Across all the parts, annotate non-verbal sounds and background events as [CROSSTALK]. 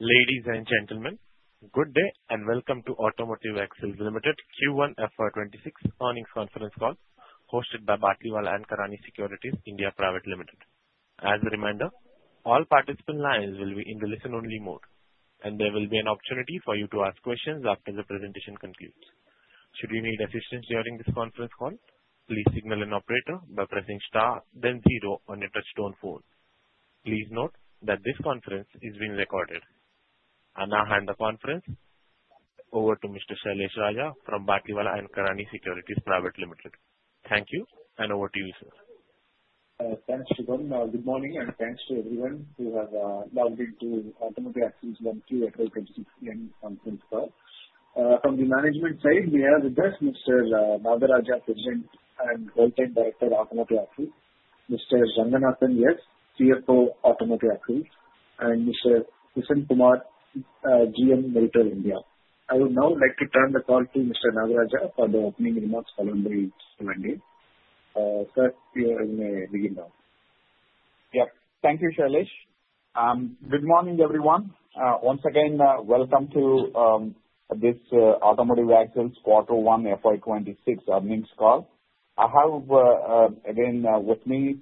Ladies and gentlemen, good day and welcome to Automotive Axles Limited Q1 FY26 Earnings Conference Call hosted by Batlivala & Karani Securities India Pvt. Ltd. As a reminder, all participant lines will be in the listen-only mode, and there will be an opportunity for you to ask questions after the presentation concludes. Should you need assistance during this conference call, please signal an operator by pressing star, then zero on your touch-tone phone. Please note that this conference is being recorded, and I hand the conference over to Mr. Sailesh Raja from Batlivala & Karani Securities Pvt. Ltd. Thank you, and over to you, sir. Thanks, Shubam. Good morning, and thanks to everyone who have logged into Automotive Axles' Q1 FY26 conference call. From the management side, we have with us Mr. Nagaraja Gargeshwari, President and Whole-Time Director, Automotive Axles; Mr. Ranganathan S., CFO, Automotive Axles; and Mr. Kishan Kumar, GM, Meritor India. I would now like to turn the call to Mr. Nagaraja for the opening remarks following the event. Sir, you may begin now. Yep. Thank you, Sailesh. Good morning, everyone. Once again, welcome to this Automotive Axles Q1 FY26 Earnings Call. I have, again, with me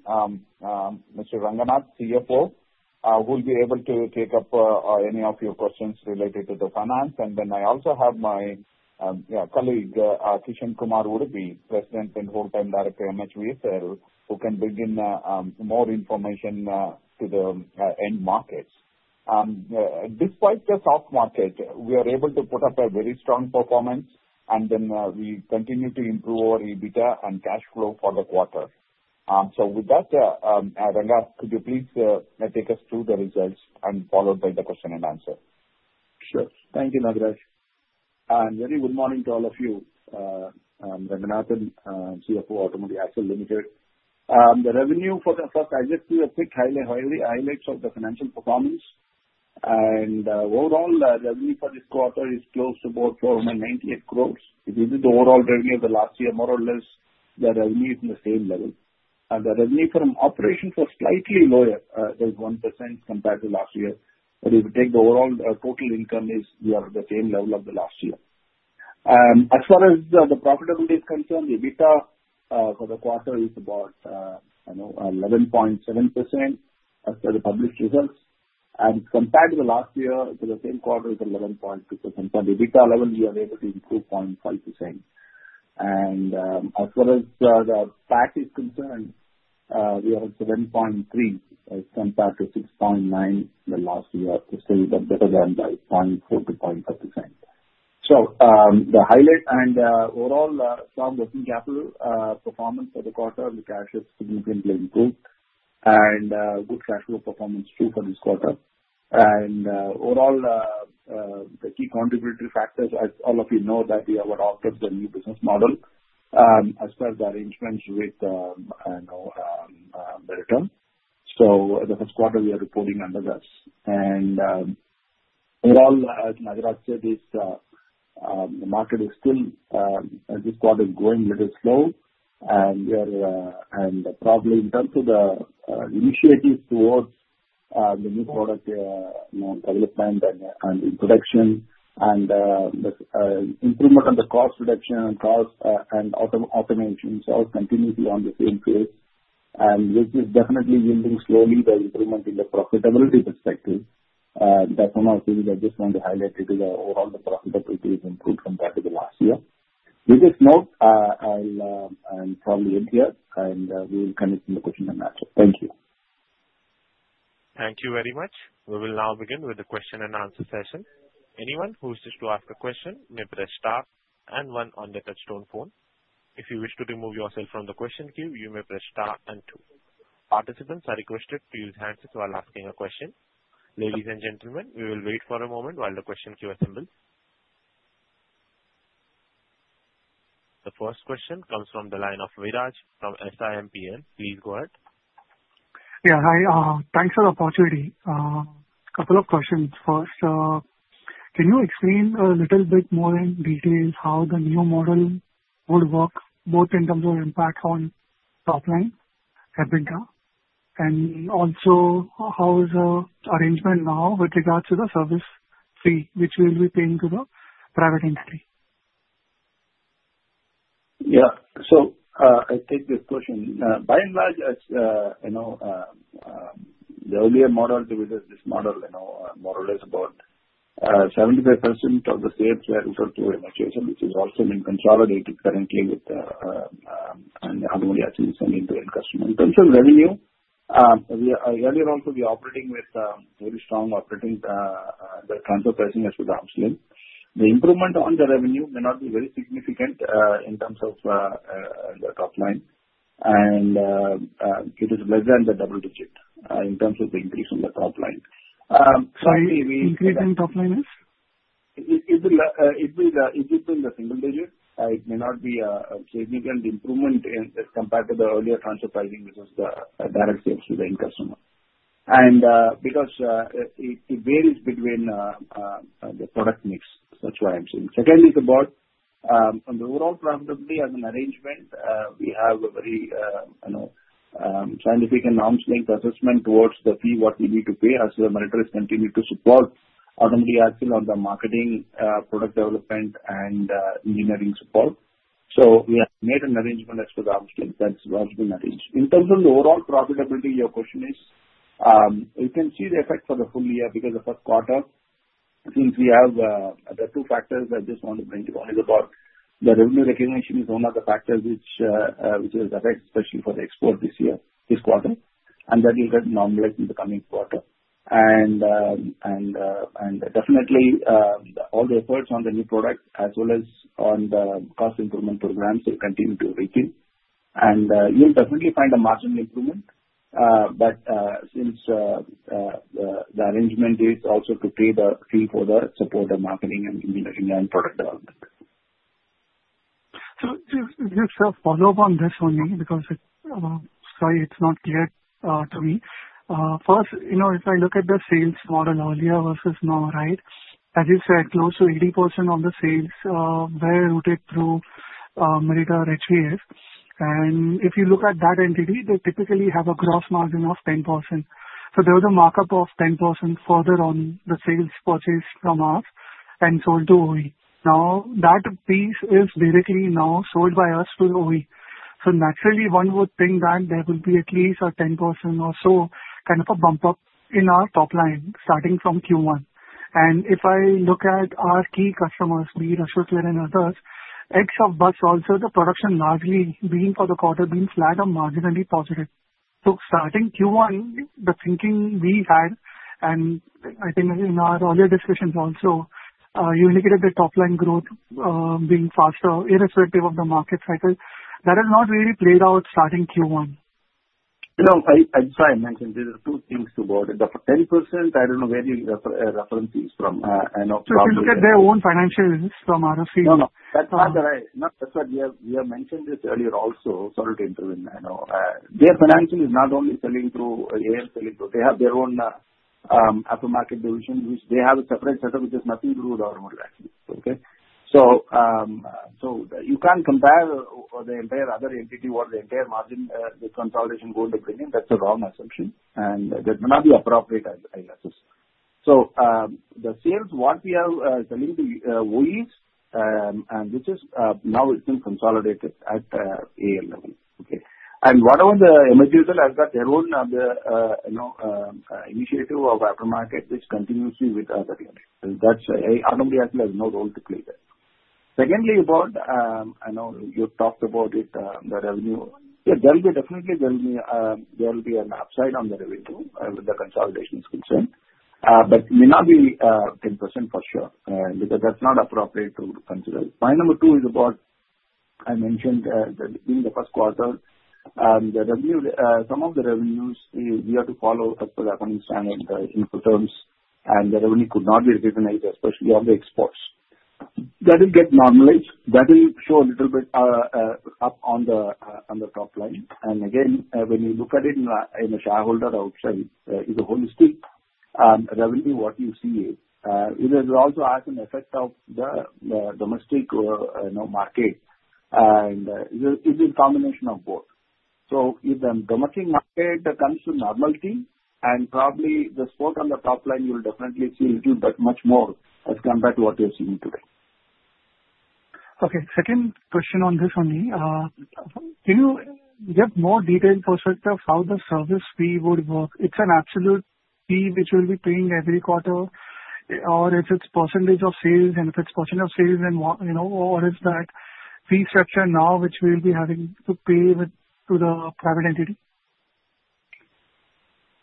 Mr. Ranganathan, CFO, who will be able to take up any of your questions related to the finance. And then I also have my colleague, Kishan Kumar Udupi, President and Whole-Time Director, MHVSIL, who can bring in more information to the end markets. Despite the soft market, we are able to put up a very strong performance, and then we continue to improve our EBITDA and cash flow for the quarter. So with that, Ranganathan, could you please take us through the results and followed by the question and answer? Sure. Thank you, Nagaraja, and very good morning to all of you. I am Ranganathan, CFO, Automotive Axles Limited. The revenue for the first, I just do a quick highlight of the financial performance. And overall, the revenue for this quarter is close to about 498 crores. If you do the overall revenue of the last year, more or less, the revenue is in the same level. And the revenue from operations was slightly lower, just 1% compared to last year, but if you take the overall total income, we are at the same level as last year. As far as the profitability is concerned, EBITDA for the quarter is about 11.7% as per the published results, and compared to last year, for the same quarter, it's 11.2%. So EBITDA level, we are able to improve 0.5%. As far as the PAT is concerned, we are at 7.3% compared to 6.9% last year. We are still better than the 0.4%-0.5%. The highlight and overall strong working capital performance for the quarter, the cash has significantly improved. Good cash flow performance too for this quarter. Overall, the key contributory factors, as all of you know, that we have adopted the new business model as per the arrangements with Meritor. The first quarter, we are reporting under that. Overall, as Nagaraja said, the market is still, this quarter is going a little slow. Probably in terms of the initiatives towards the new product development and production, and improvement on the cost reduction and automation, it's all continuously on the same pace. This is definitely yielding slowly the improvement in the profitability perspective. That's one of the things I just want to highlight. Overall, the profitability has improved compared to the last year. With this note, I'll probably end here, and we will continue with the question and answer. Thank you. Thank you very much. We will now begin with the question and answer session. Anyone who wishes to ask a question may press star and one on the touch-tone phone. If you wish to remove yourself from the question queue, you may press star and two. Participants are requested to use handsets while asking a question. Ladies and gentlemen, we will wait for a moment while the question queue assembles. The first question comes from the line of Viraj from SiMPL. Please go ahead. Yeah. Hi. Thanks for the opportunity. A couple of questions. First, can you explain a little bit more in detail how the new model would work, both in terms of impact on top-line EBITDA? And also, how is the arrangement now with regards to the service fee, which we'll be paying to the private entity? Yeah. So I take this question. By and large, the earlier model versus this model, more or less about 75% of the sales were referred to MHVSIL, which is also being consolidated currently with Automotive Axles and the customer. In terms of revenue, earlier also, we are operating with very strong operating transfer pricing as per the arm's length. The improvement on the revenue may not be very significant in terms of the top line. And it is less than the double digit in terms of the increase on the top line. How many increase in top line is? It is in the single digit. It may not be a significant improvement compared to the earlier transfer pricing, which is the direct sales to the end customer. And because it varies between the product mix, that's why I'm saying. Second is about, on the overall profitability as an arrangement, we have a very significant arm's length assessment towards the fee what we need to pay as Meritor continues to support Automotive Axles on the marketing, product development, and engineering support. So we have made an arrangement as per the arm's length. That's what's been arranged. In terms of the overall profitability, your question is, we can see the effect for the full year because the first quarter, since we have the two factors I just want to bring to you, one is about the revenue recognition is one of the factors which will affect especially for the export this year, this quarter. And that will get normalized in the coming quarter. And definitely, all the efforts on the new product as well as on the cost improvement programs will continue to reach you. And you'll definitely find a marginal improvement. But since the arrangement is also to pay the fee for the support and marketing and engineering and product development. Just a follow-up on this one because, sorry, it's not clear to me. First, if I look at the sales model earlier versus now, right, as you said, close to 80% of the sales were routed through Meritor HVS. And if you look at that entity, they typically have a gross margin of 10%. So there was a markup of 10% further on the sales purchase from us and sold to OE. Now, that piece is basically now sold by us to OE. So naturally, one would think that there will be at least a 10% or so kind of a bump up in our top line starting from Q1. And if I look at our key customers, be it Ashok Leyland and others, except but also the production largely being for the quarter being flat or marginally positive. Starting Q1, the thinking we had, and I think in our earlier discussions also, you indicated the top line growth being faster irrespective of the market cycle. That has not really played out starting Q1. No, I'm sorry, I mentioned these are two things about it. The 10%, I don't know where you reference this from. So you said their own financials from RFC? No, no. That's not right. That's what we have mentioned this earlier also. Sorry to intervene. Their financials is not only selling through AAL; they have their own aftermarket division, which they have a separate setup, which is nothing to do with Automotive Axles. Okay? So you can't compare the entire other entity or the entire margin consolidation goal they're bringing. That's a wrong assumption, and that may not be appropriate, I guess. So the sales what we are selling to OEs, and this is now it's been consolidated at AAL level. Okay? And whatever the MHVSIL has got their own initiative of aftermarket, which continues to be with other units. Automotive Axles has no role to play there. Secondly, I know you talked about it, the revenue. There will definitely be an upside on the revenue with the consolidation's concern. But it may not be 10% for sure because that's not appropriate to consider. Point number two is about. I mentioned that during the first quarter, some of the revenues we have to follow as per the accounting standard Incoterms. And the revenue could not be recognized, especially on the exports. That will get normalized. That will show a little bit up on the top line. And again, when you look at it in a shareholder outlook, it's a holistic revenue what you see. It will also have an effect of the domestic market. And it's a combination of both. So if the domestic market comes to normality, and probably the support on the top line you'll definitely see a little bit much more as compared to what you're seeing today. Okay. Second question on this one. Can you get more detailed perspective of how the service fee would work? It's an absolute fee which we'll be paying every quarter, or is it percentage of sales? And if it's percent of sales, then what is that fee structure now which we'll be having to pay to the private entity?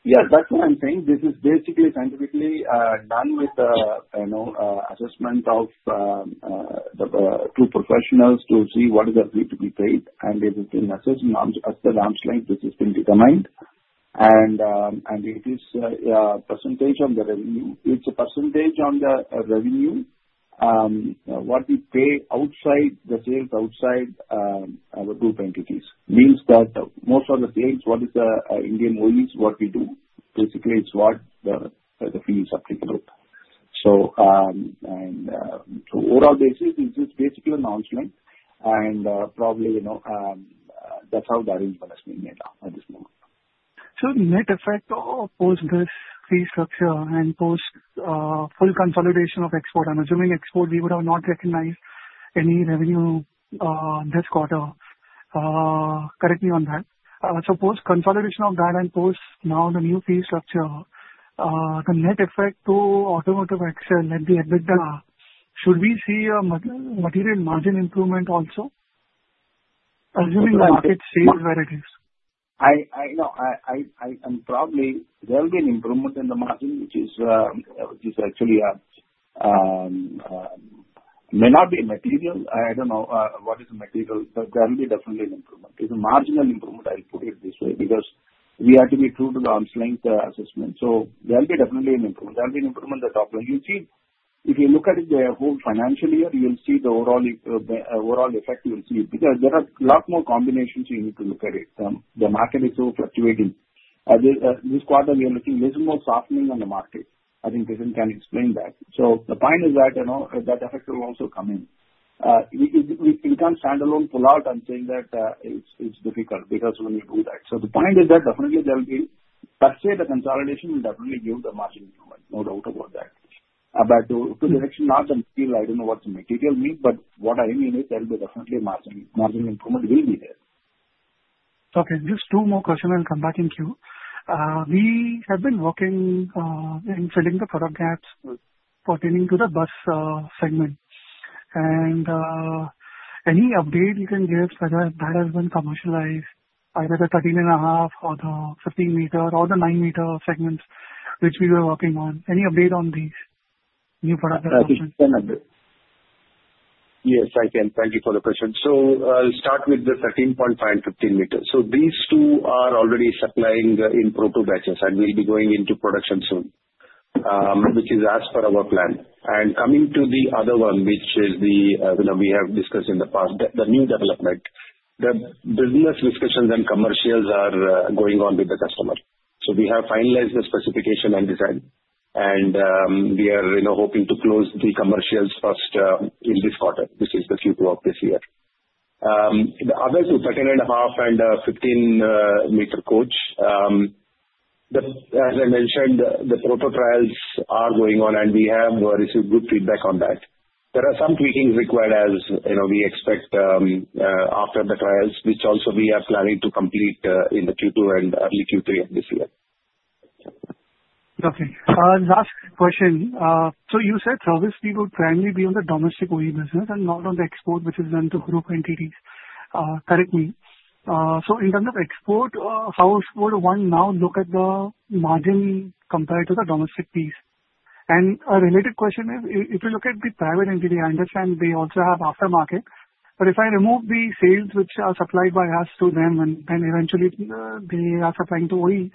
Yeah. That's what I'm saying. This is basically scientifically done with the assessment of two professionals to see what is the fee to be paid. And it has been assessed as per the arm's length, which has been determined. And it is a percentage of the revenue. It's a percentage on the revenue what we pay outside the sales outside our group entities. Means that most of the sales, what is the Indian OEs what we do, basically is what the fee is applicable. So on an overall basis, it's just basically an arm's length. And probably that's how the arrangement has been made now at this moment. So, net effect of post this fee structure and post full consolidation of export, I'm assuming export, we would have not recognized any revenue this quarter. Correct me on that. So, post consolidation of that and post now the new fee structure, the net effect to Automotive Axles and the EBITDA, should we see a material margin improvement also? Assuming the market stays where it is. No, there will be an improvement in the margin, which is actually may not be material. I don't know what is material, but there will be definitely an improvement. It's a marginal improvement, I'll put it this way, because we have to be true to the arm's length assessment. So there will be definitely an improvement. There will be an improvement in the top line. You'll see, if you look at the whole financial year, you'll see the overall effect, you'll see. Because there are a lot more combinations you need to look at it. The market is so fluctuating. This quarter, we are looking a little more softening on the market. I think this can explain that. So the point is that that effect will also come in. We can't stand alone pull out and say that it's difficult because when you do that. So the point is that definitely there'll be per se, the consolidation will definitely give the margin improvement, no doubt about that. But to the extent, not the material, I don't know what the material means, but what I mean is there'll be definitely a margin improvement will be there. Okay. Just two more questions and come back in queue. We have been working on filling the product gaps pertaining to the bus segment, and any update you can give whether that has been commercialized, either the 13.5-meter or the 15-meter or the nine-meter segments, which we were working on? Any update on these new product assumptions? Yes, I can. Thank you for the question. So I'll start with the 13.5- and 15-meter. So these two are already supplying in proto batches and will be going into production soon, which is as per our plan. And coming to the other one, which is the one we have discussed in the past, the new development, the business discussions and commercials are going on with the customer. So we have finalized the specification and design. And we are hoping to close the commercials first in this quarter, which is the Q2 of this year. The other two, 13.5- and 15-meter coach, as I mentioned, the proto trials are going on, and we have received good feedback on that. There are some tweakings required as we expect after the trials, which also we are planning to complete in the Q2 and early Q3 of this year. Okay. Last question. So you said service fee would primarily be on the domestic OE business and not on the export, which is done to group entities. Correct me. So in terms of export, how would one now look at the margin compared to the domestic piece? And a related question is, if you look at the private entity, I understand they also have after-market. But if I remove the sales which are supplied by us to them, and eventually they are supplying to OE,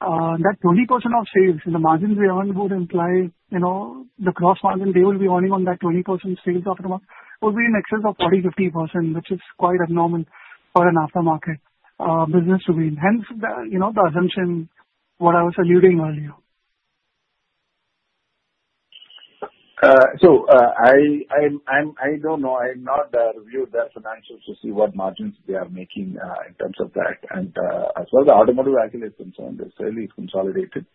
that 20% of sales in the margins we earn would imply the gross margin they will be earning on that 20% sales after-market would be in excess of 40%-50%, which is quite abnormal for an after-market business to be in. Hence the assumption, what I was alluding earlier. I don't know. I have not reviewed their financials to see what margins they are making in terms of that. As far as the Automotive Axles is concerned, it's fairly consolidated.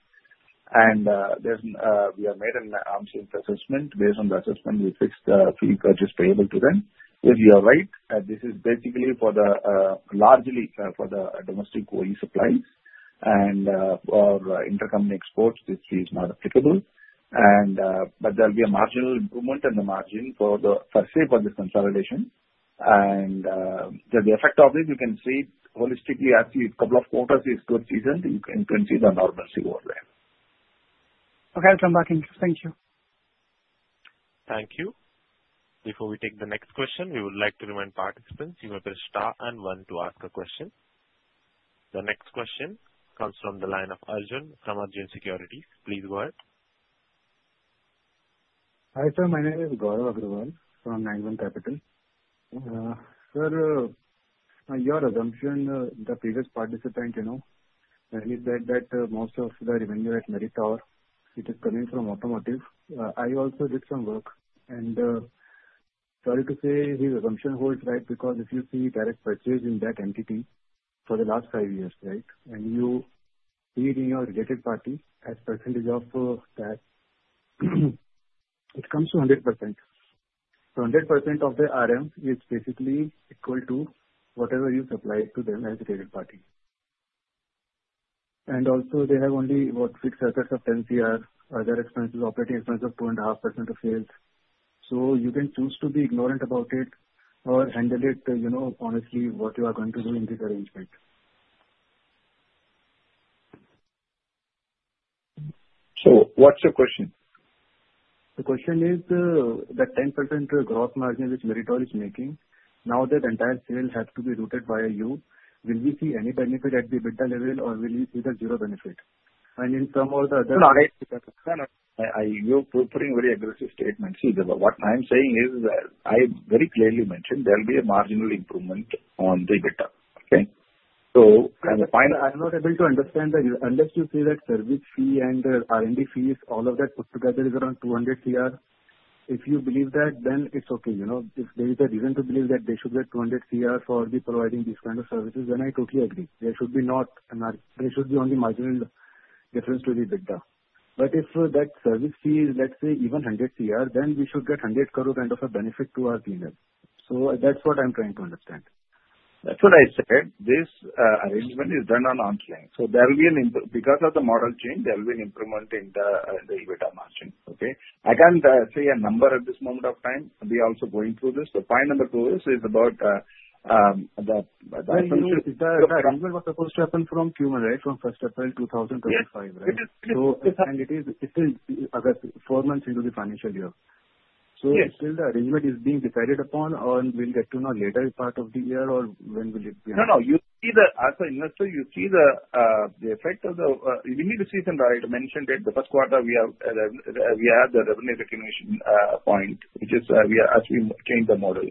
We have made an arm's length assessment. Based on the assessment, we fixed the fee purchase payable to them. If you're right, this is basically largely for the domestic OE supplies. For intercompany exports, this fee is not applicable. There'll be a marginal improvement in the margin per se for this consolidation. The effect of it, you can see holistically as a couple of quarters is good season. You can see the normalcy over there. Okay. I'll come back in. Thank you. Thank you. Before we take the next question, we would like to remind participants, you have a star and one to ask a question. The next question comes from the line of Arjun from Arjun Securities. Please go ahead. Hi sir, my name is Gaurav Agrawal from Nine One Capital. Sir, your assumption, the previous participant, he said that most of the revenue at Meritor is coming from Automotive. I also did some work, and sorry to say, his assumption holds right because if you see direct purchase in that entity for the last five years, right, and you feed in your related party as percentage of that, it comes to 100%. So 100% of the RM is basically equal to whatever you supply to them as related party, and also, they have only what fixed assets of 10 crore, other expenses, operating expenses of 2.5% of sales. So you can choose to be ignorant about it or handle it honestly, what you are going to do in this arrangement. So what's your question? The question is that 10% gross margin which Meritor is making, now that entire sale has to be routed via you, will we see any benefit at the EBITDA level or will we see the zero benefit? And in some of the other. No, no. I'm putting very aggressive statements. See, what I'm saying is that I very clearly mentioned there'll be a marginal improvement on the EBITDA. Okay? So the final. I'm not able to understand that unless you see that service fee and R&D fees, all of that put together is around 200 crore. If you believe that, then it's okay. If there is a reason to believe that they should get 200 crore for providing these kind of services, then I totally agree. There should be not a marginal difference to the EBITDA. But if that service fee is, let's say, even 100 crore, then we should get 100 crore kind of a benefit to our team there. So that's what I'm trying to understand. That's what I said. This arrangement is done on arm's length. So there'll be an improvement because of the model change. There'll be an improvement in the EBITDA margin. Okay? I can't say a number at this moment of time. We are also going through this. The point number two is about the assumption. So the arrangement was supposed to happen from Q1, right, from 1st April 2025, right? And it is four months into the financial year. So still the arrangement is being decided upon, we'll get to know later part of the year or when will it be? No, no. You see, as an investor, you see the effect of the we need to season out. I mentioned it. The first quarter, we have the revenue recognition point, which is as we change the model.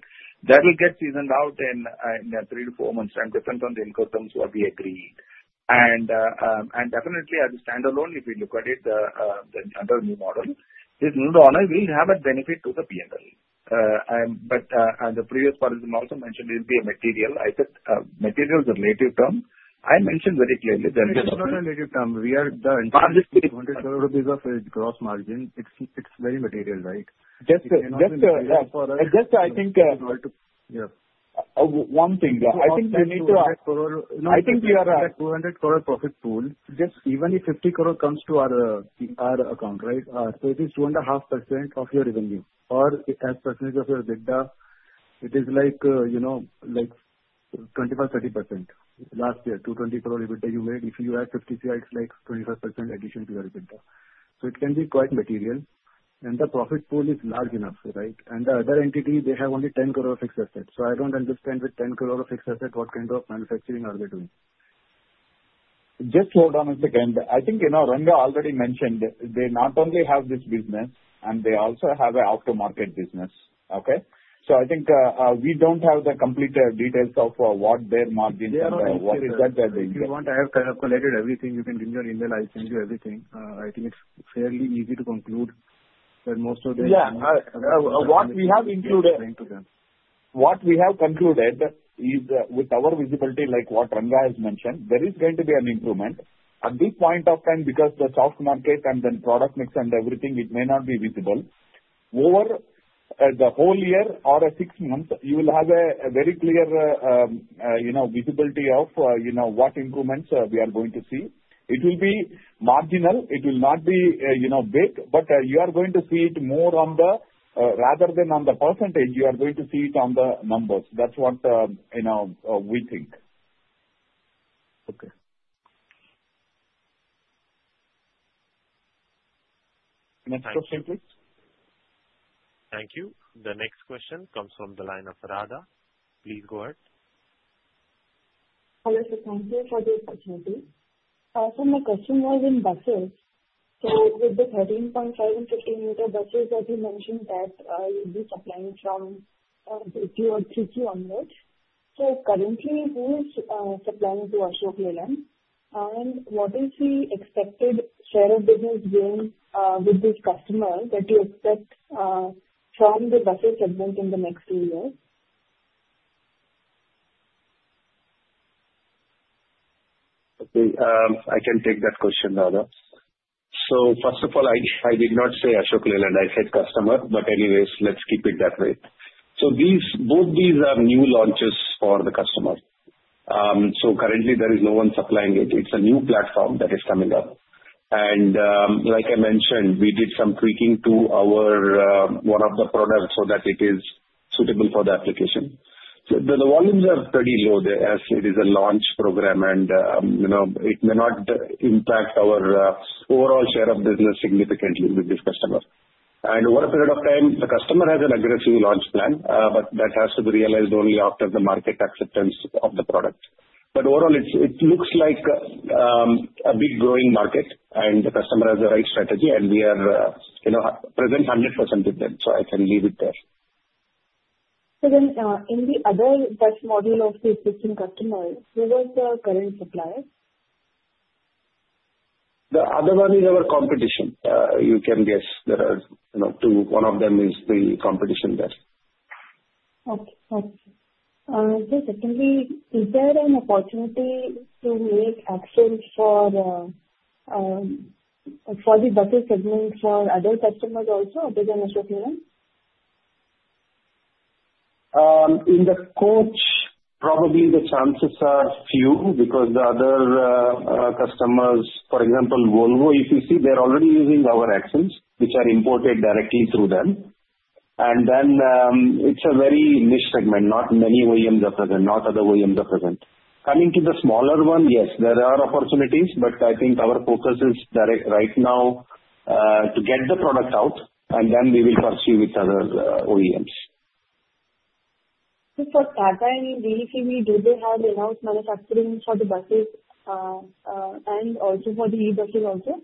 That will get seasoned out in three to four months' time depending on the Incoterms what we agreed. And definitely, as a standalone, if we look at it under a new model, this new order will have a benefit to the P&L. But the previous person also mentioned it will be a material. I said material is a relative term. I mentioned very clearly that. It's not a relative term. We are done. INR 100 crore of gross margin, it's very material, right? Just for us. Just, I think. Yeah. One thing. I think we need to. 200 crore. I think we are at 200 crore profit pool. Even if 50 crore comes to our account, right, so it is 2.5% of your revenue or as percentage of your EBITDA, it is like 25%-30%. Last year, 220 crore EBITDA you made, if you add 50 crore, it's like 25% addition to your EBITDA, so it can be quite material and the profit pool is large enough, right, and the other entity, they have only 10 crore of fixed assets, so I don't understand with 10 crore of fixed assets, what kind of manufacturing are they doing? Just slow down a second. I think Ranga already mentioned they not only have this business, and they also have an after-market business. Okay? So I think we don't have the complete details of what their margin is. [CROSSTALK] If you want to have calculated everything, you can give me your email. I'll send you everything. I think it's fairly easy to conclude that most of the. Yeah. What we have included. What we have concluded is with our visibility, like what Ranga has mentioned, there is going to be an improvement. At this point of time, because the soft market and the product mix and everything, it may not be visible. Over the whole year or six months, you will have a very clear visibility of what improvements we are going to see. It will be marginal. It will not be big, but you are going to see it more on the numbers rather than on the percentage, you are going to see it on the numbers. That's what we think. Okay. Next question, please. Thank you. The next question comes from the line of Radha. Please go ahead. Hello, sir. Thank you for the opportunity. So my question was in buses. So with the 13.5-meter and 15-meter buses, as you mentioned, that you'll be supplying from Q2 and Q3 onwards. So currently, who is supplying to Ashok Leyland? And what is the expected share of business gain with these customers that you expect from the bus segment in the next two years? Okay. I can take that question, Radha. So first of all, I did not say Ashok Leyland. I said customer. But anyways, let's keep it that way. So both these are new launches for the customer. So currently, there is no one supplying it. It's a new platform that is coming up. And like I mentioned, we did some tweaking to one of the products so that it is suitable for the application. The volumes are pretty low as it is a launch program, and it may not impact our overall share of business significantly with this customer. And over a period of time, the customer has an aggressive launch plan, but that has to be realized only after the market acceptance of the product. But overall, it looks like a big growing market, and the customer has the right strategy, and we are present 100% with them. So I can leave it there. So then in the other bus model of the existing customers, who was the current supplier? The other one is our competition. You can guess. One of them is the competition there. Okay. So secondly, is there an opportunity to make axles for the bus segment for other customers also other than Ashok Leyland? In the coach, probably the chances are few because the other customers, for example, Volvo, if you see, they're already using our axles, which are imported directly through them. And then it's a very niche segment. Not many OEMs are present. No other OEMs are present. Coming to the smaller one, yes, there are opportunities, but I think our focus is right now to get the product out, and then we will pursue with other OEMs. So for Tata and VECV, do they have in-house manufacturing for the buses and also for the e-buses also?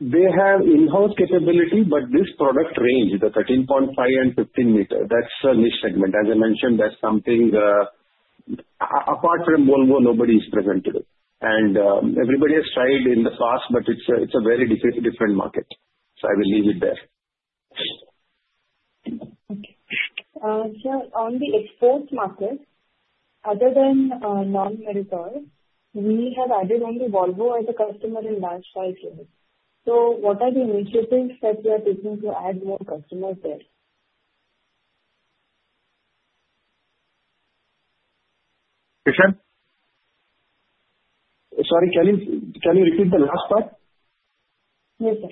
They have in-house capability, but this product range, the 13.5-meter and 15-meter, that's a niche segment. As I mentioned, that's something apart from Volvo, nobody is present today. And everybody has tried in the past, but it's a very different market. So I will leave it there. Okay. So on the export market, other than non-Meritor, we have added only Volvo as a customer in large-sized units. So what are the initiatives that you are taking to add more customers there? Kishan? Sorry, can you repeat the last part? Yes, sir.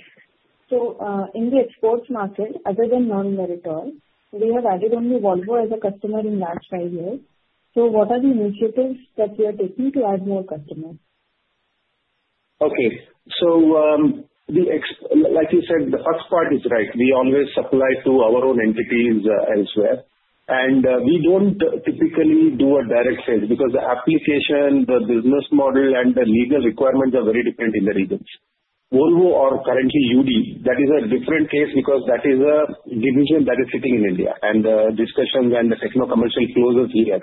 So in the export market, other than non-Meritor, we have added only Volvo as a customer in large-sized units. So what are the initiatives that you are taking to add more customers? Okay. So like you said, the first part is right. We always supply to our own entities elsewhere. And we don't typically do a direct sale because the application, the business model, and the legal requirements are very different in the regions. Volvo or currently UD, that is a different case because that is a division that is sitting in India. And the discussions and the techno-commercial closes here.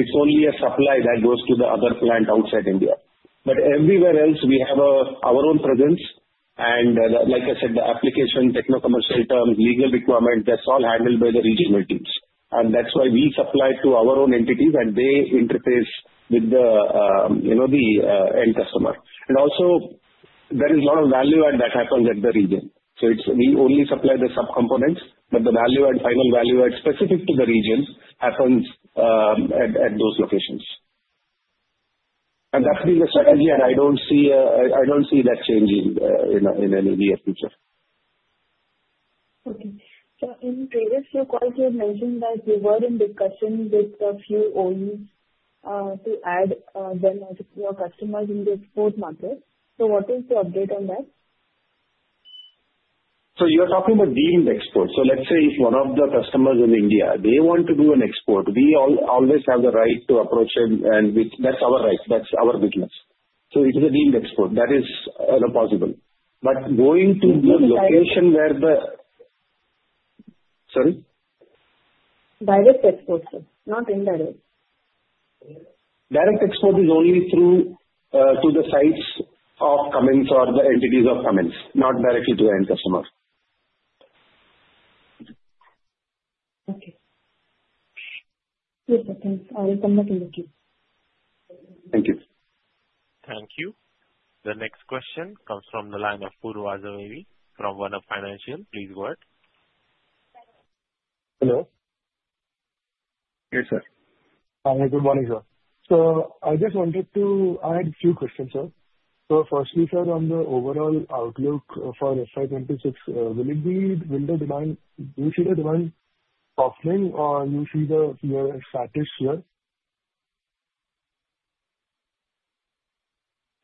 It's only a supply that goes to the other plant outside India. But everywhere else, we have our own presence. And like I said, the application, techno-commercial terms, legal requirements, that's all handled by the regional teams. And that's why we supply to our own entities, and they interface with the end customer. And also, there is a lot of value add that happens at the region. So we only supply the sub-components, but the value add, final value add specific to the region happens at those locations. And that's been the strategy, and I don't see that changing in any near future. Okay. So in previous few calls, you had mentioned that you were in discussion with a few OEMs to add them as your customers in the export market. So what is the update on that? So you're talking about deemed export. So let's say if one of the customers is in India, they want to do an export, we always have the right to approach them, and that's our right. That's our business. So it is a deemed export. That is possible. But going to the location where the. Direct export, sir? Not indirect. Direct export is only through to the sites of Cummins or the entities of Cummins, not directly to the end customer. Okay. Two seconds. I'll come back in a few. Thank you. Thank you. The next question comes from the line of Purva Jhaveri from One Up Financial. Please go ahead. Hello. Yes, sir. Hi. Good morning, sir. I just wanted to add a few questions, sir. Firstly, sir, on the overall outlook for FY2026, will the demand, do you see the demand softening or do you see fewer shafts here?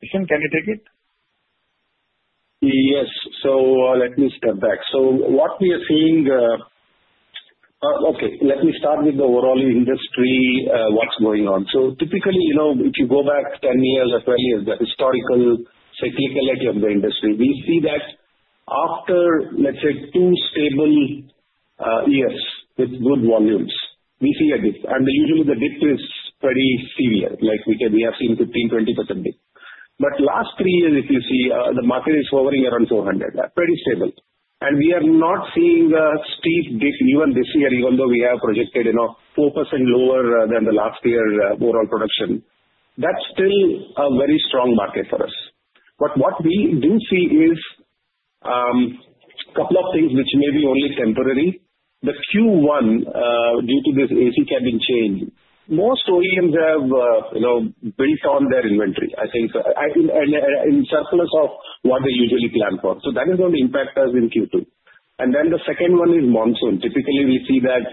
Kishan, can you take it? Yes. So let me step back. So what we are seeing, okay. Let me start with the overall industry, what's going on. So typically, if you go back 10 years or 12 years, the historical cyclicality of the industry, we see that after, let's say, two stable years with good volumes, we see a dip. And usually, the dip is pretty severe. We have seen 15%-20% dip. But last three years, if you see, the market is hovering around 400, pretty stable. And we are not seeing a steep dip even this year, even though we have projected 4% lower than the last year overall production. That's still a very strong market for us. But what we do see is a couple of things which may be only temporary. In Q1, due to this AC cabin change, most OEMs have built on their inventory, I think, in surplus of what they usually plan for, so that is going to impact us in Q2, and then the second one is monsoon. Typically, we see that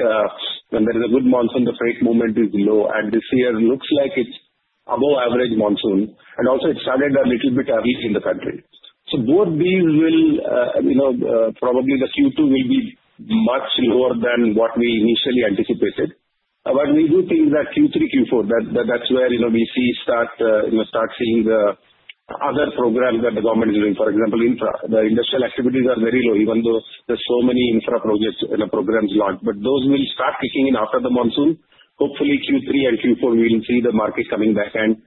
when there is a good monsoon, the freight movement is low, and this year looks like it's above average monsoon, and also, it started a little bit early in the country, so both these will probably the Q2 will be much lower than what we initially anticipated, but we do think that Q3, Q4, that's where we see start seeing the other programs that the government is doing. For example, the industrial activities are very low, even though there are so many infra projects and programs launched, but those will start kicking in after the monsoon. Hopefully, Q3 and Q4, we will see the market coming back, and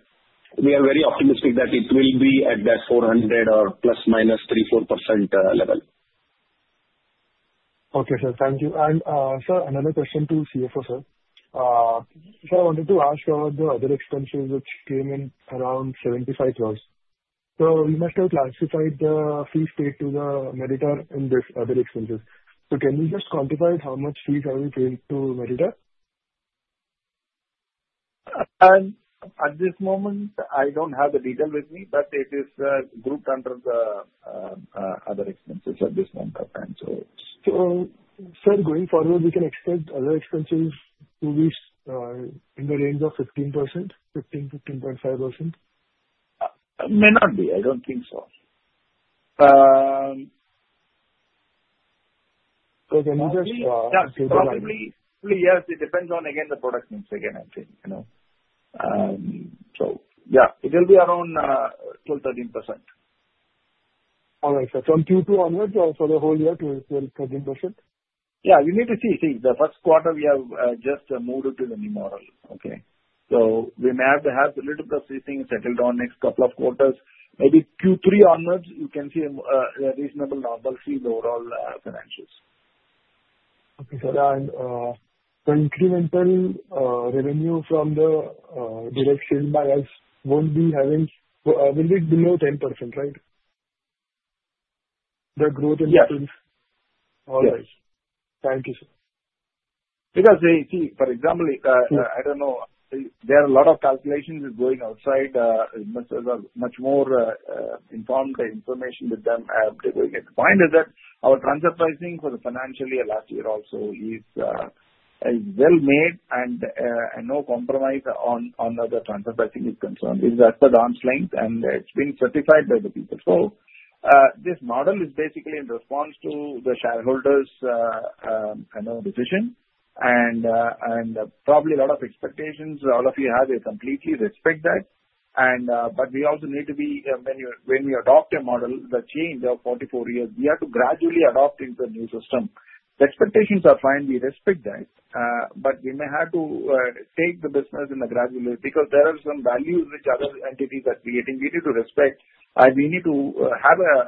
we are very optimistic that it will be at that 400 or plus minus 3-4% level. Okay, sir. Thank you. And sir, another question to CFO, sir. Sir, I wanted to ask about the other expenses which came in around 75 crores. So you must have classified the fees paid to Meritor in these other expenses. So can you just quantify how much fees have you paid to Meritor? At this moment, I don't have the detail with me, but it is grouped under the other expenses at this moment. And so. So sir, going forward, we can expect other expenses to be in the range of 15%-15.5%? May not be. I don't think so. So can you just. Yeah. Probably, yes. It depends on, again, the product needs again, I think. So yeah, it will be around 12%-13%. All right. So from Q2 onwards or for the whole year to 12%-13%? Yeah. You need to see. See, the first quarter, we have just moved it to the new model. Okay? So we may have to have a little bit of this thing settled down next couple of quarters. Maybe Q3 onwards, you can see a reasonable normalcy in the overall financials. Okay. So incremental revenue from the direct sales by us will be below 10%, right? The growth in the sales? Yeah. All right. Thank you, sir. Because, see, for example, I don't know. There are a lot of calculations going outside. Much more informed information with them are going. At the point is that our transfer pricing for the financial year last year also is well-made, and no compromise on the transfer pricing is concerned. It's at arm's length, and it's been certified by the people. So this model is basically in response to the shareholders' decision. And probably a lot of expectations, all of you have. We completely respect that. But we also need to be when we adopt a model, the change of 44 years, we have to gradually adopt into the new system. The expectations are fine. We respect that. But we may have to take the business in a gradual way because there are some values which other entities are creating. We need to respect. We need to have an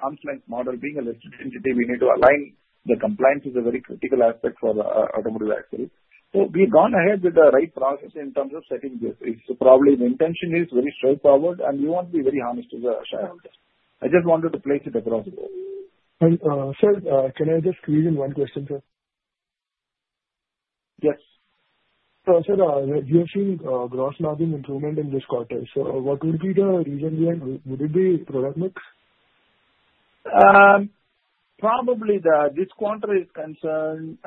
arm's length model being a listed entity. We need to align. The compliance is a very critical aspect for automotive axles. So we have gone ahead with the right process in terms of setting this. It's probably the intention is very straightforward, and we want to be very honest with the shareholders. I just wanted to place it across the board. And sir, can I just squeeze in one question, sir? Yes. So sir, you've seen gross margin improvement in this quarter. So what would be the reason behind? Would it be product mix? Probably this quarter is concerned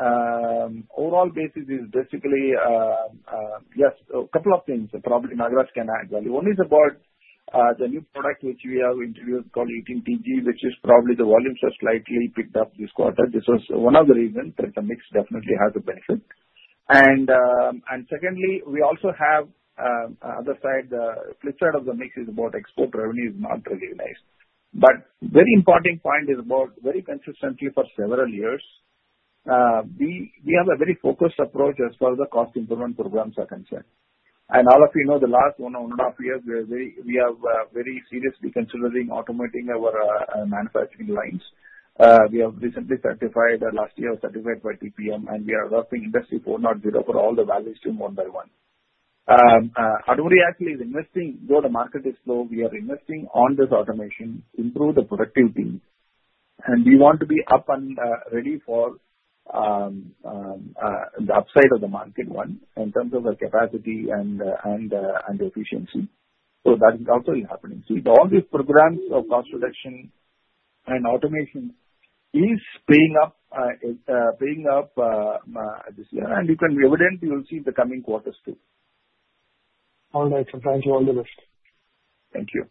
overall basis is basically just a couple of things. Probably Nagaraja can add value. One is about the new product which we have introduced called 18TG, which is probably the volumes have slightly picked up this quarter. This was one of the reasons that the mix definitely has a benefit. And secondly, we also have the other side. The flip side of the mix is about export revenue is not really nice. But very important point is about very consistently for several years, we have a very focused approach as far as the cost improvement programs are concerned. And all of you know, the last one and a half years, we have very seriously considering automating our manufacturing lines. We have recently certified last year certified by TPM, and we are adopting Industry 4.0 for all the value streams one by one. Automotive actually is investing. Though the market is slow, we are investing on this automation, improve the productivity, and we want to be up and ready for the upside of the market one in terms of the capacity and efficiency, so that is also happening, so all these programs of cost reduction and automation is paying up this year, and you can be evident, you will see the coming quarters too. All right. Thank you. All the best. Thank you.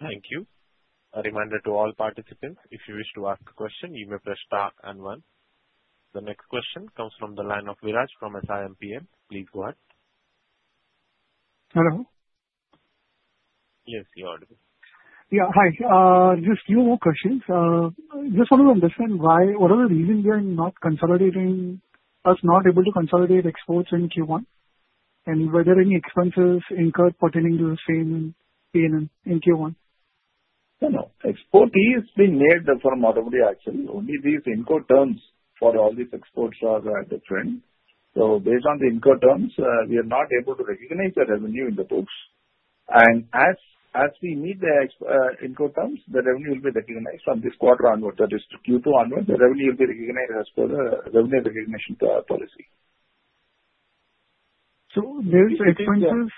Thank you. A reminder to all participants, if you wish to ask a question, you may press star and one. The next question comes from the line of Viraj from SiMPL. Please go ahead. Hello? Yes, you are audible. Yeah. Hi. Just a few more questions. Just wanted to understand why what are the reasons behind not consolidating us not able to consolidate exports in Q1? And were there any expenses incurred pertaining to the same payment in Q1? No exports have been made from Automotive Axle. Only these Incoterms for all these exports are different. So based on the Incoterms, we are not able to recognize the revenue in the books. And as we meet the Incoterms, the revenue will be recognized from this quarter onwards. That is, Q2 onwards, the revenue will be recognized as per the revenue recognition policy. There is expenses?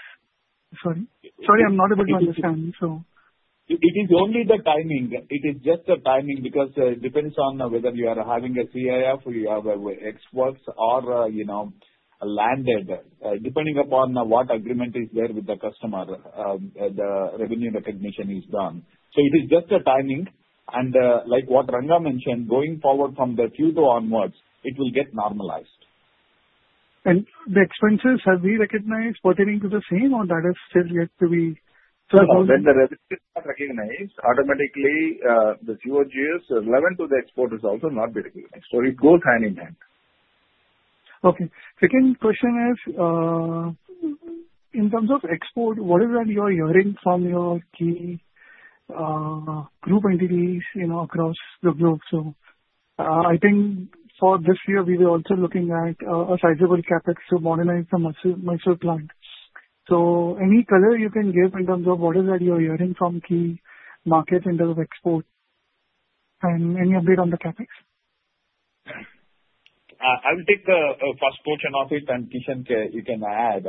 Sorry. Sorry, I'm not able to understand. So. It is only the timing. It is just the timing because it depends on whether you are having a CIF, you have exports, or landed, depending upon what agreement is there with the customer, the revenue recognition is done. So it is just the timing. And like what Ranga mentioned, going forward from the Q2 onwards, it will get normalized. And the expenses, have we recognized pertaining to the same, or that has still yet to be? No. When the revenue is not recognized, automatically, the COGS relevant to the export is also not being recognized. So it goes hand in hand. Okay. Second question is, in terms of export, what is that you are hearing from your key group entities across the globe? So I think for this year, we were also looking at a sizable CapEx to modernize the Mysore plant. So any color you can give in terms of what is that you are hearing from key market in terms of export? And any update on the CapEx? I will take the first portion of it, and Kishan, you can add.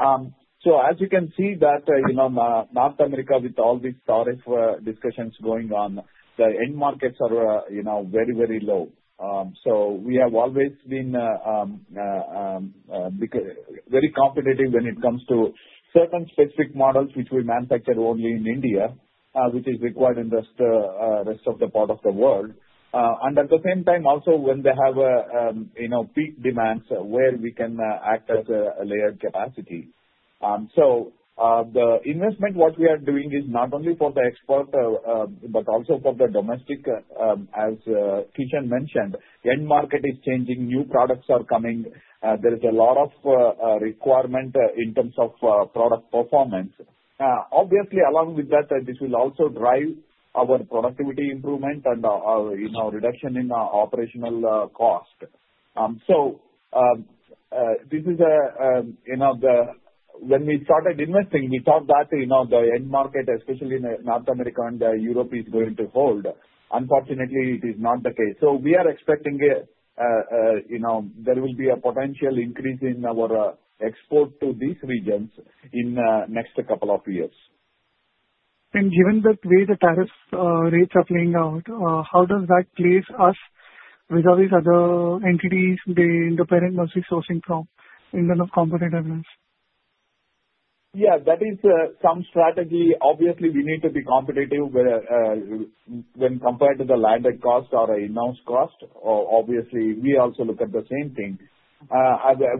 As you can see, in North America, with all these tariff discussions going on, the end markets are very, very low. We have always been very competitive when it comes to certain specific models which we manufacture only in India, which are required in the rest of the world. At the same time, when they have peak demands, we can act as a layered capacity. The investment we are doing is not only for the export, but also for the domestic, as Kishan mentioned. The end market is changing. New products are coming. There is a lot of requirement in terms of product performance. Obviously, along with that, this will also drive our productivity improvement and reduction in our operational cost. So this is when we started investing, we thought that the end market, especially in North America and Europe, is going to hold. Unfortunately, it is not the case. So we are expecting there will be a potential increase in our export to these regions in the next couple of years. Given the way the tariff rates are playing out, how does that place us with all these other entities they independently sourcing from in the competitiveness? Yeah. That is some strategy. Obviously, we need to be competitive when compared to the landed cost or in-house cost. Obviously, we also look at the same thing.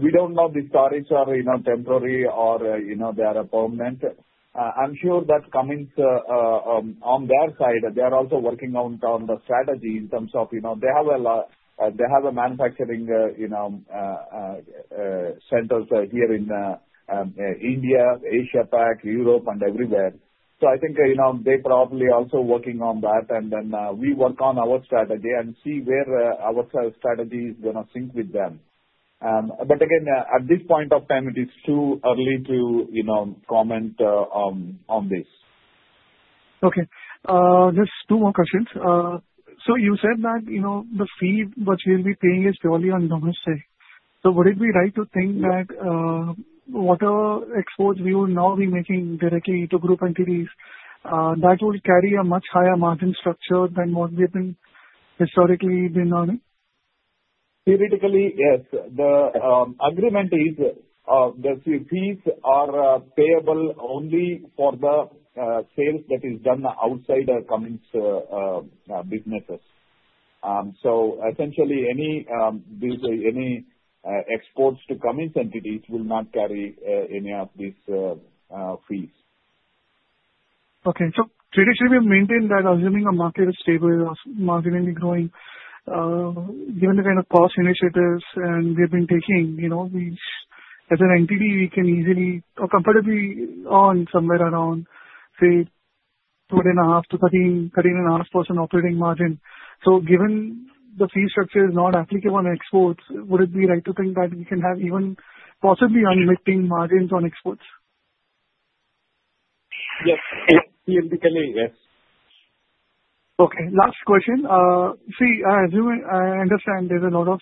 We don't know if these tariffs are temporary or they are permanent. I'm sure that coming on their side, they are also working on the strategy in terms of they have a manufacturing centers here in India, Asia Pac, Europe, and everywhere. So I think they probably are also working on that. And then we work on our strategy and see where our strategy is going to sync with them. But again, at this point of time, it is too early to comment on this. Okay. Just two more questions. So you said that the fee which we'll be paying is purely on domestic. So would it be right to think that whatever exports we will now be making directly to group entities, that will carry a much higher margin structure than what we have been historically earning? Theoretically, yes. The agreement is that the fees are payable only for the sales that is done outside Cummins businesses. So essentially, any exports to Cummins entities will not carry any of these fees. Okay. So traditionally, we've maintained that assuming a market is stable or margin will be growing, given the kind of cost initiatives we have been taking, as an entity, we can easily or comfortably earn somewhere around, say, 12.5%-13.5% operating margin. So given the fee structure is not applicable on exports, would it be right to think that we can have even possibly unmitting margins on exports? Yes. Theoretically, yes. Okay. Last question. See, I understand there's a lot of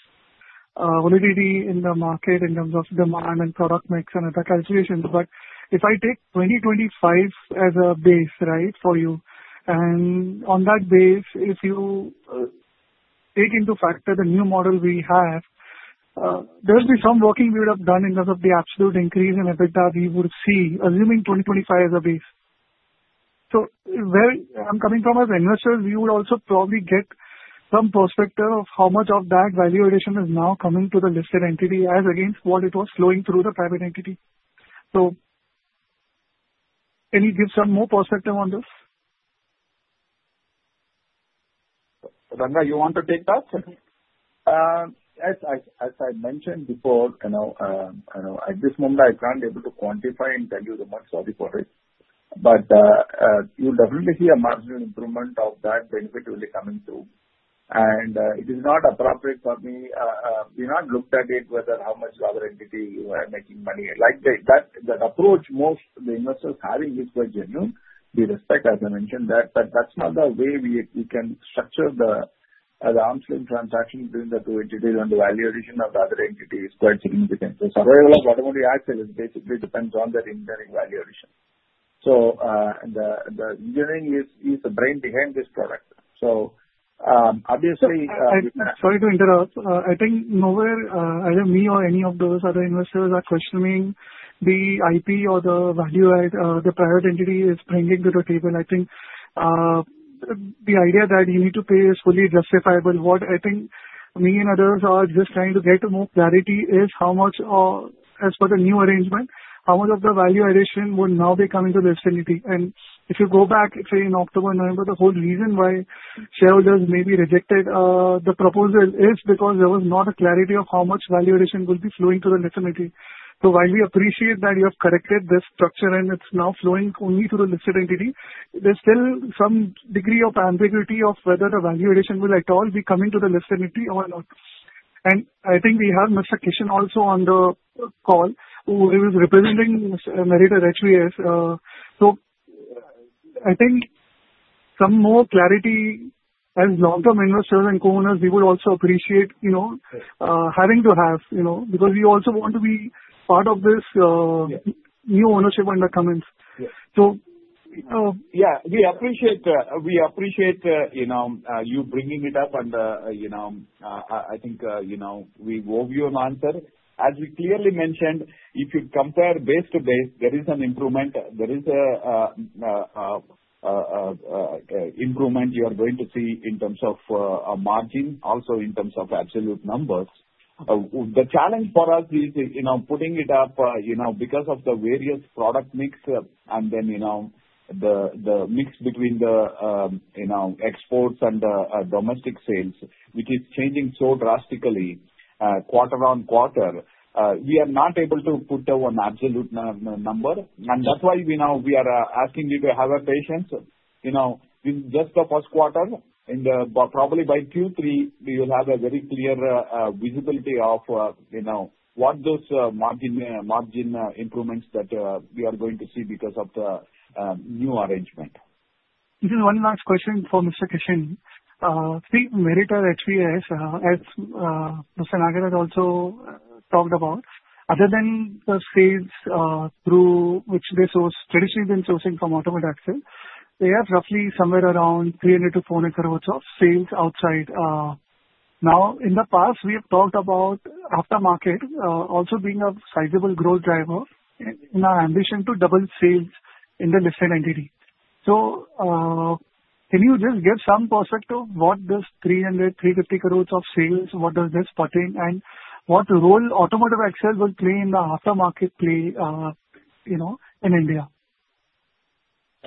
volatility in the market in terms of demand and product mix and other calculations. But if I take 2025 as a base, right, for you, and on that base, if you take into factor the new model we have, there will be some working we would have done in terms of the absolute increase in EBITDA we would see, assuming 2025 as a base. So I'm coming from a vendor side. We would also probably get some perspective of how much of that value addition is now coming to the listed entity as against what it was flowing through the private entity. So can you give some more perspective on this? Ranga, you want to take that? As I mentioned before, at this moment, I can't be able to quantify and tell you the amount. Sorry for it. But you'll definitely see a marginal improvement of that benefit will be coming through. And it is not appropriate for me. We have not looked at it, whether how much the other entity is making money. The approach most of the investors having is quite genuine. We respect, as I mentioned, that. But that's not the way we can structure the arm's-length transaction between the two entities. And the value addition of the other entity is quite significant. The survival of Automotive Axles basically depends on that engineering value addition. So the engineering is the brain behind this product. So obviously. Sorry to interrupt. I think nowhere, either me or any of those other investors are questioning the IP or the value add the private entity is bringing to the table. I think the idea that you need to pay is fully justifiable. What I think me and others are just trying to get more clarity is how much, as per the new arrangement, how much of the value addition will now be coming to the listed entity. And if you go back, say, in October or November, the whole reason why shareholders may be rejected the proposal is because there was not a clarity of how much value addition will be flowing to the listed entity. So while we appreciate that you have corrected this structure and it's now flowing only to the listed entity, there's still some degree of ambiguity of whether the value addition will at all be coming to the listed entity or not. And I think we have Mr. Kishan also on the call, who is representing Meritor HVS. So I think some more clarity as long-term investors and co-owners, we would also appreciate having to have because we also want to be part of this new ownership under Cummins. So- Yeah. We appreciate you bringing it up. I think we owe you an answer. As we clearly mentioned, if you compare base to base, there is an improvement. There is an improvement you are going to see in terms of margin, also in terms of absolute numbers. The challenge for us is putting it up because of the various product mix and then the mix between the exports and domestic sales, which is changing so drastically quarter on quarter. We are not able to put out an absolute number. That's why we are asking you to have patience. In just the first quarter, and probably by Q3, we will have a very clear visibility of what those margin improvements that we are going to see because of the new arrangement. This is one last question for Mr. Kishan. See, Meritor HVS, as Mr. Nagaraja had also talked about, other than the sales through which they traditionally have been sourcing from Automotive Axles, they have roughly somewhere around 300- 400 crores of sales outside. Now, in the past, we have talked about aftermarket also being a sizable growth driver in our ambition to double sales in the listed entity. So can you just give some perspective of what this 300- 350 crores of sales, what does this pertain, and what role Automotive Axles will play in the aftermarket play in India?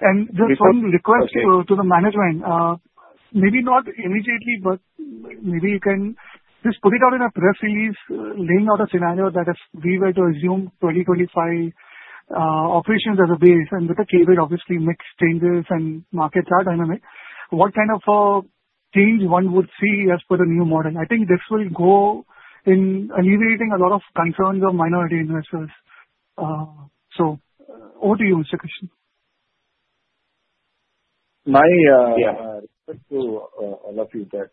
Just one request to the management, maybe not immediately, but maybe you can just put it out in a press release, laying out a scenario that if we were to assume 2025 operations as a base, and with the COVID, obviously, mix changes and markets are dynamic, what kind of change one would see as per the new model? I think this will go in alleviating a lot of concerns of minority investors. Over to you, Mr. Kishan. My respects to all of you, the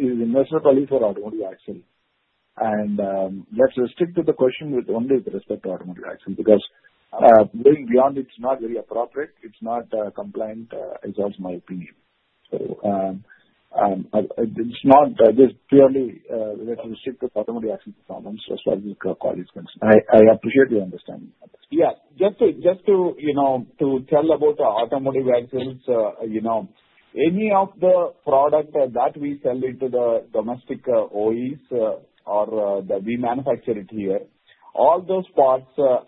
investor colleagues for Automotive Axles. Let's restrict the question with only with respect to Automotive Axles because going beyond, it's not very appropriate. It's not compliant. It's also my opinion. So it's not just purely. Let's restrict the Automotive Axles performance as far as colleagues are concerned. I appreciate your understanding. Yeah. Just to tell about Automotive Axles, any of the product that we sell into the domestic OEs or that we manufacture it here, all those parts for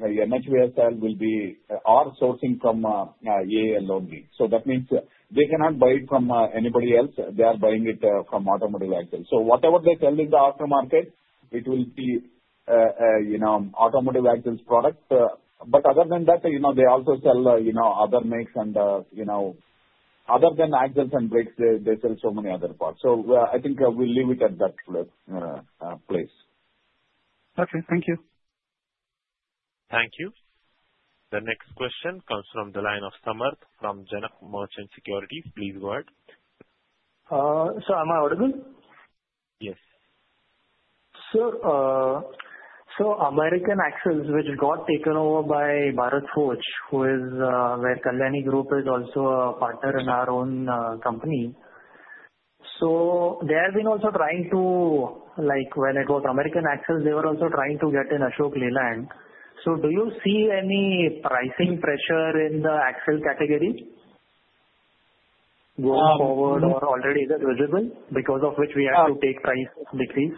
MHVSIL will be sourced from AAL only. So that means they cannot buy it from anybody else. They are buying it from Automotive Axles. So whatever they sell in the aftermarket, it will be Automotive Axles' product. But other than that, they also sell other makes. And other than axles and brakes, they sell so many other parts. So I think we'll leave it at that place. Okay. Thank you. Thank you. The next question comes from the line of Samarth from Janak Merchant Securities. Please go ahead. Sir, am I audible? Yes. Sir, so American Axle, which got taken over by Bharat Forge, who is where Kalyani Group is also a partner in our own company. So they have been also trying to, when it was American Axle, they were also trying to get in Ashok Leyland. So do you see any pricing pressure in the axle category going forward or already is it visible because of which we have to take price decrease?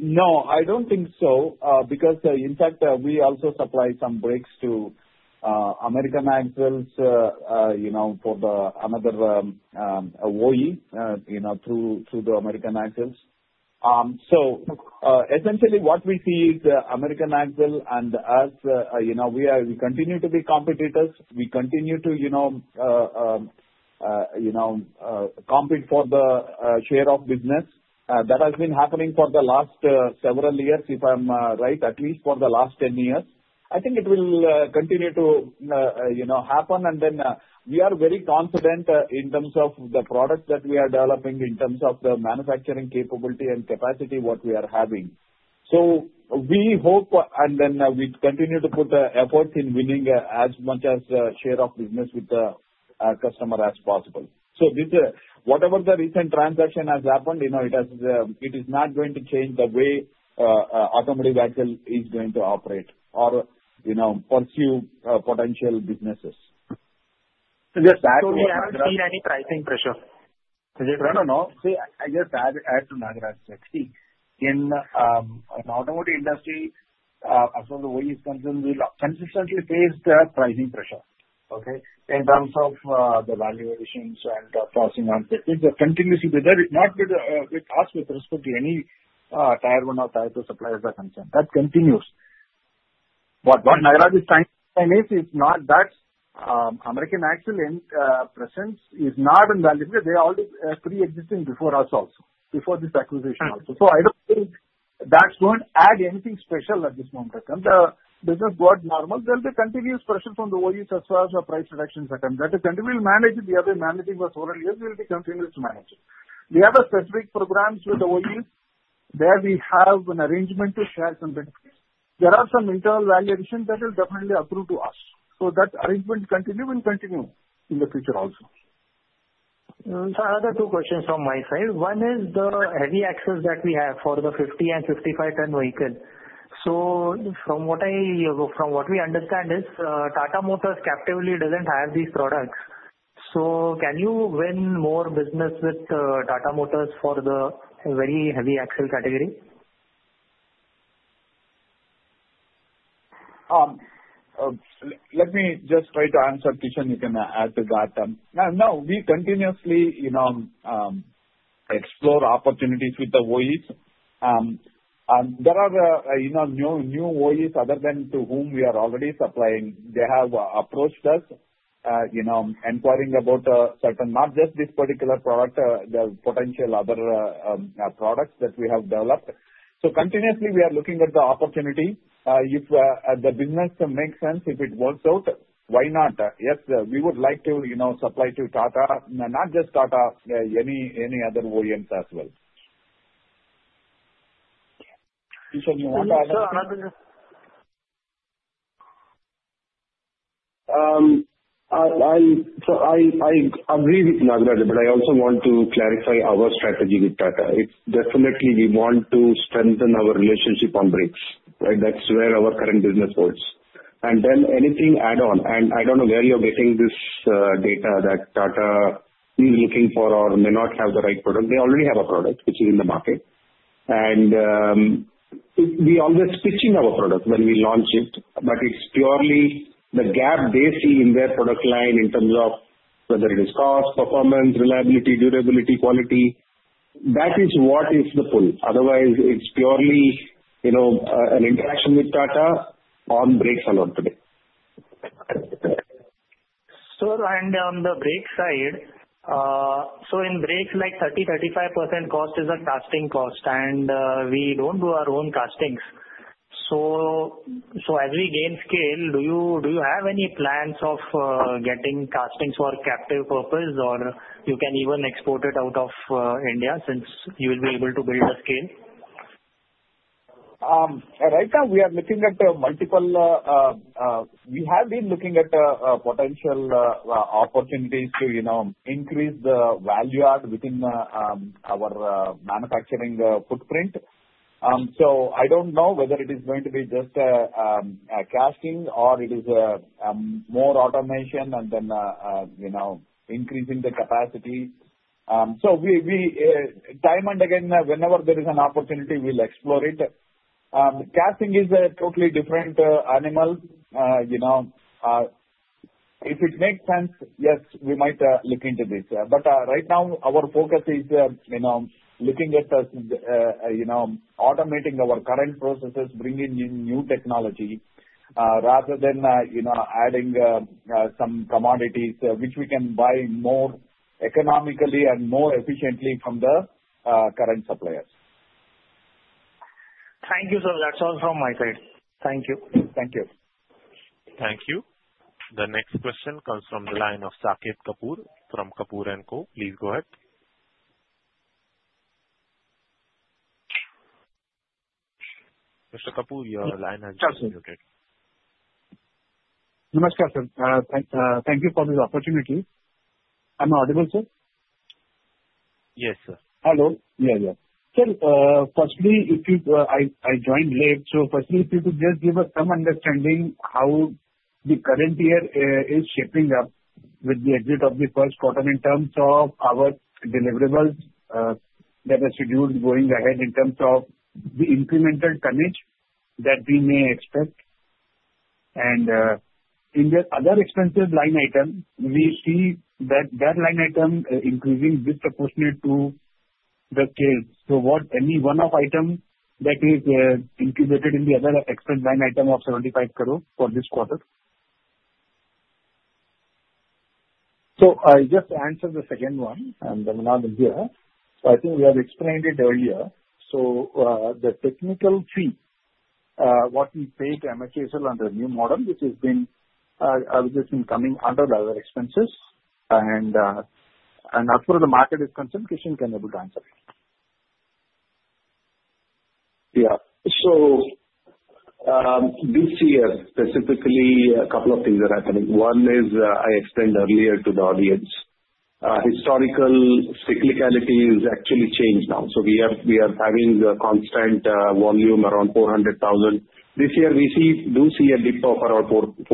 No. I don't think so because, in fact, we also supply some brakes to American Axle for another OE through the American Axle. So essentially, what we see is the American Axle, and as we continue to be competitors, we continue to compete for the share of business. That has been happening for the last several years, if I'm right, at least for the last 10 years. I think it will continue to happen. And then we are very confident in terms of the product that we are developing, in terms of the manufacturing capability and capacity what we are having. So we hope, and then we continue to put the effort in winning as much as share of business with the customer as possible. So whatever the recent transaction has happened, it is not going to change the way Automotive Axles is going to operate or pursue potential businesses. Just add to. So we haven't seen any pricing pressure. No, no, no. See, I just add to Nagar. See, in automotive industry, as far as the OEs concerned, we consistently face the pricing pressure, okay, in terms of the value additions and passing on. It continues to be there, not just with us with respect to any Tier one or Tier two suppliers are concerned. That continues. What Nagar is trying to say is not that American Axle presence is not invaluable. They are always pre-existing before us also, before this acquisition also. So I don't think that won't add anything special at this moment. The business goes normal. There will be continuous pressure from the OEs as far as the price reductions are concerned. That is, we'll manage it. We have been managing for several years. We'll continue to manage it. We have specific programs with the OEs where we have an arrangement to share some benefits. There are some internal value additions that will definitely accrue to us, so that arrangement will continue in the future also. Sir, I have two questions from my side. One is the heavy axles that we have for the 50- and 55-ton vehicle. So from what we understand is Tata Motors captively doesn't have these products. So can you win more business with Tata Motors for the very heavy axle category? Let me just try to answer Kishan. You can add to that. Now, we continuously explore opportunities with the OEs. There are new OEs other than to whom we are already supplying. They have approached us inquiring about certain, not just this particular product, the potential other products that we have developed. So continuously, we are looking at the opportunity. If the business makes sense, if it works out, why not? Yes, we would like to supply to Tata, not just Tata, any other OEMs as well. Sir, I agree with Nagaraja, but I also want to clarify our strategy with Tata. It's definitely we want to strengthen our relationship on brakes, right? That's where our current business holds. And then anything add-on, and I don't know where you're getting this data that Tata is looking for or may not have the right product. They already have a product which is in the market. And we always pitch our product when we launch it, but it's purely the gap they see in their product line in terms of whether it is cost, performance, reliability, durability, quality. That is what is the pull. Otherwise, it's purely an interaction with Tata on brakes alone today. Sir, and on the brake side, so in brakes, like 30%-35% cost is a casting cost, and we don't do our own castings. So as we gain scale, do you have any plans of getting castings for captive purpose, or you can even export it out of India since you will be able to build a scale? Right now, we are looking at multiple. We have been looking at potential opportunities to increase the value add within our manufacturing footprint. So I don't know whether it is going to be just casting or it is more automation and then increasing the capacity. So time and again, whenever there is an opportunity, we'll explore it. Casting is a totally different animal. If it makes sense, yes, we might look into this. But right now, our focus is looking at automating our current processes, bringing in new technology rather than adding some commodities which we can buy more economically and more efficiently from the current suppliers. Thank you, sir. That's all from my side. Thank you. Thank you. Thank you. The next question comes from the line of Saket Kapoor from Kapoor & Co. Please go ahead. Mr. Kapoor, your line. [CROSSTALK] Thank you for this opportunity. I'm audible, sir? Yes, sir. Hello. Yeah, yeah. Sir, firstly, I joined late. So firstly, if you could just give us some understanding how the current year is shaping up with the exit of the first quarter in terms of our deliverables that are scheduled going ahead in terms of the incremental tonnage that we may expect. And in the other expenses line item, we see that that line item is increasing disproportionate to the scale. So what any one of items that is included in the other expense line item of 75 crores for this quarter? So, I just answered the second one, and [Ranganathan] here. So, I think we have explained it earlier. So, the technical fee, what we pay to MHVSIL under the new model, which has been coming under the other expenses. And as far as the market is concerned, Kishan can be able to answer it. Yeah. So this year, specifically, a couple of things are happening. One is I explained earlier to the audience. Historical cyclicality has actually changed now. So we are having a constant volume around 400,000. This year, we do see a dip of around 4%,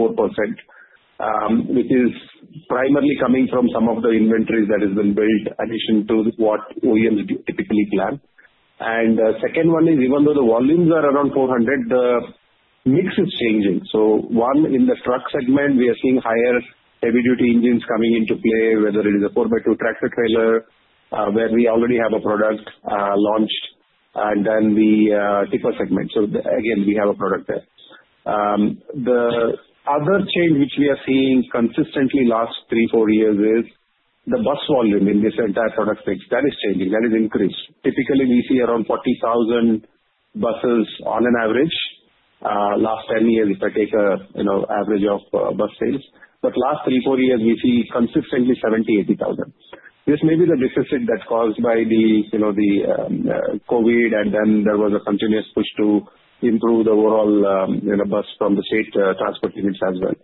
which is primarily coming from some of the inventories that have been built in addition to what OEMs typically plan. And the second one is, even though the volumes are around 400, the mix is changing. So one, in the truck segment, we are seeing higher heavy-duty engines coming into play, whether it is a 4x2 tractor-trailer where we already have a product launched, and then the tipper segment. So again, we have a product there. The other change which we are seeing consistently in the last three, four years is the bus volume in this entire product mix. That is changing. That is increased. Typically, we see around 40,000 buses on an average last 10 years if I take an average of bus sales, but last three, four years, we see consistently 70,000, 80,000. This may be the deficit that's caused by the COVID, and then there was a continuous push to improve the overall bus from the state transport units as well,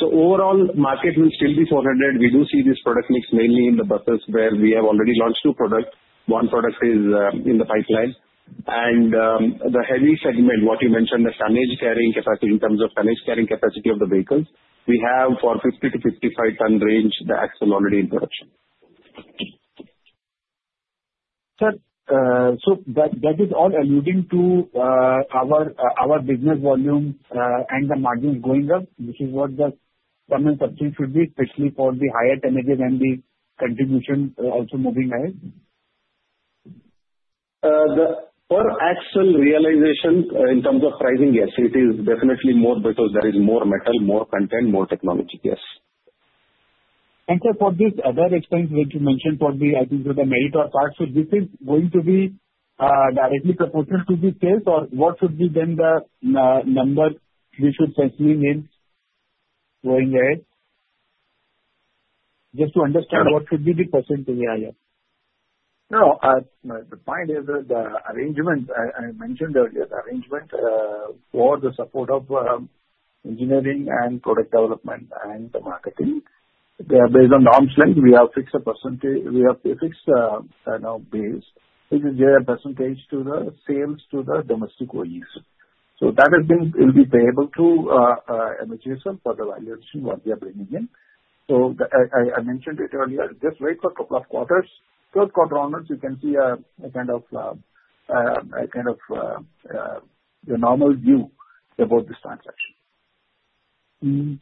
so overall, the market will still be 400. We do see this product mix mainly in the buses where we have already launched two products. One product is in the pipeline, and the heavy segment, what you mentioned, the tonnage carrying capacity in terms of tonnage carrying capacity of the vehicles, we have for 50-55-ton range, the axle already in production. Sir, so that is alluding to our business volume and the margins going up, which is what the common subject should be, especially for the higher tonnages and the contribution also moving ahead? Per axle realization in terms of pricing, yes. It is definitely more because there is more metal, more content, more technology. Yes. Sir, for this other expense which you mentioned, for the, I think, the Meritor parts, so this is going to be directly proportional to the sales, or what should be then the number we should continue in going ahead? Just to understand what should be the percentage here. No, the point is that the arrangement I mentioned earlier, the arrangement for the support of engineering and product development and the marketing, based on the arm's length, we have fixed a percentage. We have fixed a base, which is their percentage to the sales to the domestic OEs. So that will be payable to MHVSIL for the valuation what they are bringing in. So I mentioned it earlier. Just wait for a couple of quarters. Third quarter onwards, you can see a kind of the normal view about this transaction.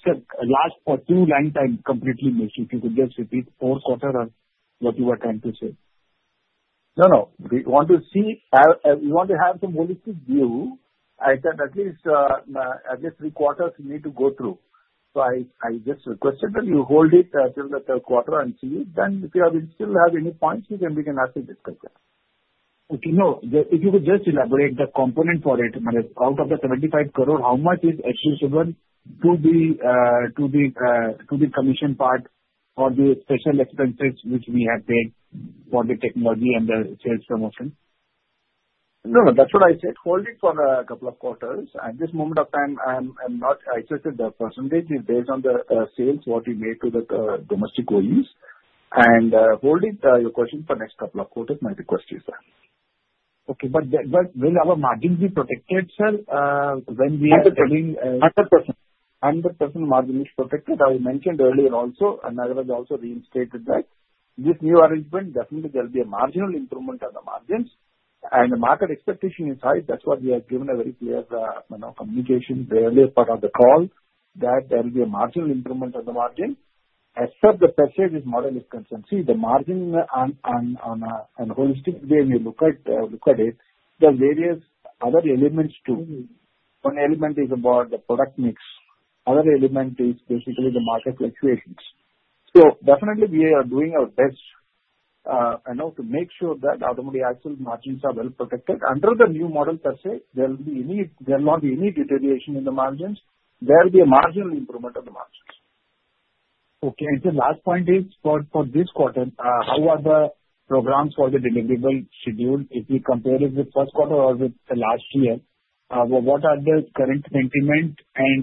Sir, the last two lines, I completely missed. If you could just repeat the four quarters of what you were trying to say. No, no. We want to see we want to have some holistic view. I said at least three quarters need to go through. So I just requested that you hold it till the third quarter and see it. Then if you still have any points, we can ask and discuss it. Okay. No, if you could just elaborate the component for it, out of the 75 crore, how much is accessible to the commission part for the special expenses which we have paid for the technology and the sales promotion? No, no. That's what I said. Hold it for a couple of quarters. At this moment of time, I said the percentage is based on the sales what we made to the domestic OEMs. Hold it, your question, for the next couple of quarters. My request is that. Okay. But will our margin be protected, sir, when we are selling? 100%. 100% margin is protected. I mentioned earlier also, and Nagaraja has also reinstated that. This new arrangement, definitely, there will be a marginal improvement on the margins, and the market expectation is high. That's why we have given a very clear communication earlier part of the call that there will be a marginal improvement on the margin. As per the percentage model is concerned, see, the margin on a holistic way, when you look at it, there are various other elements too. One element is about the product mix. Other element is basically the market fluctuations, so definitely, we are doing our best to make sure that Automotive Axles margins are well protected. Under the new model per se, there will not be any deterioration in the margins. There will be a marginal improvement on the margins. Okay. And the last point is, for this quarter, how are the programs for the deliverable scheduled if we compare it with first quarter or with last year? What are the current sentiment? And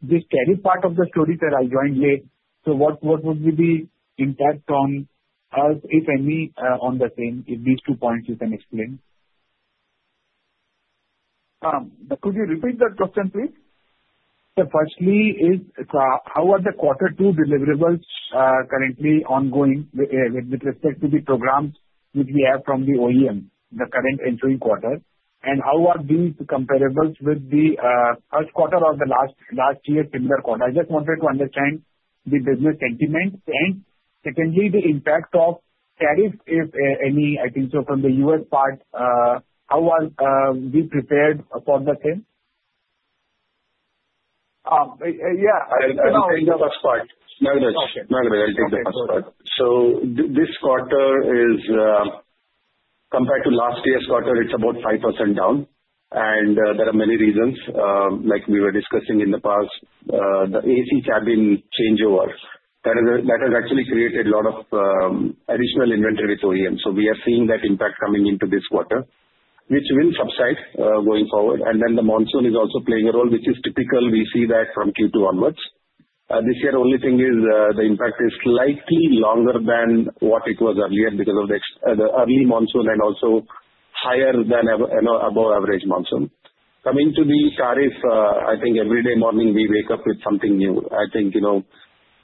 this carry part of the story that I joined late, so what would be the impact on us, if any, on the same if these two points you can explain? Could you repeat that question, please? Sir, firstly, how are the quarter two deliverables currently ongoing with respect to the programs which we have from the OEM, the current entering quarter? And how are these comparable with the first quarter or the last year's similar quarter? I just wanted to understand the business sentiment. And secondly, the impact of tariffs, if any, I think so, from the U.S. part, how are we prepared for the same? Yeah. [CROSSTALK] No, no. I'll take the first part. So this quarter, compared to last year's quarter, it's about 5% down. And there are many reasons, like we were discussing in the past, the AC cabin changeover. That has actually created a lot of additional inventory to OEMs. So we are seeing that impact coming into this quarter, which will subside going forward. And then the monsoon is also playing a role, which is typical. We see that from Q2 onwards. This year, the only thing is the impact is slightly longer than what it was earlier because of the early monsoon and also higher than above-average monsoon. Coming to the tariff, I think every day morning, we wake up with something new. I think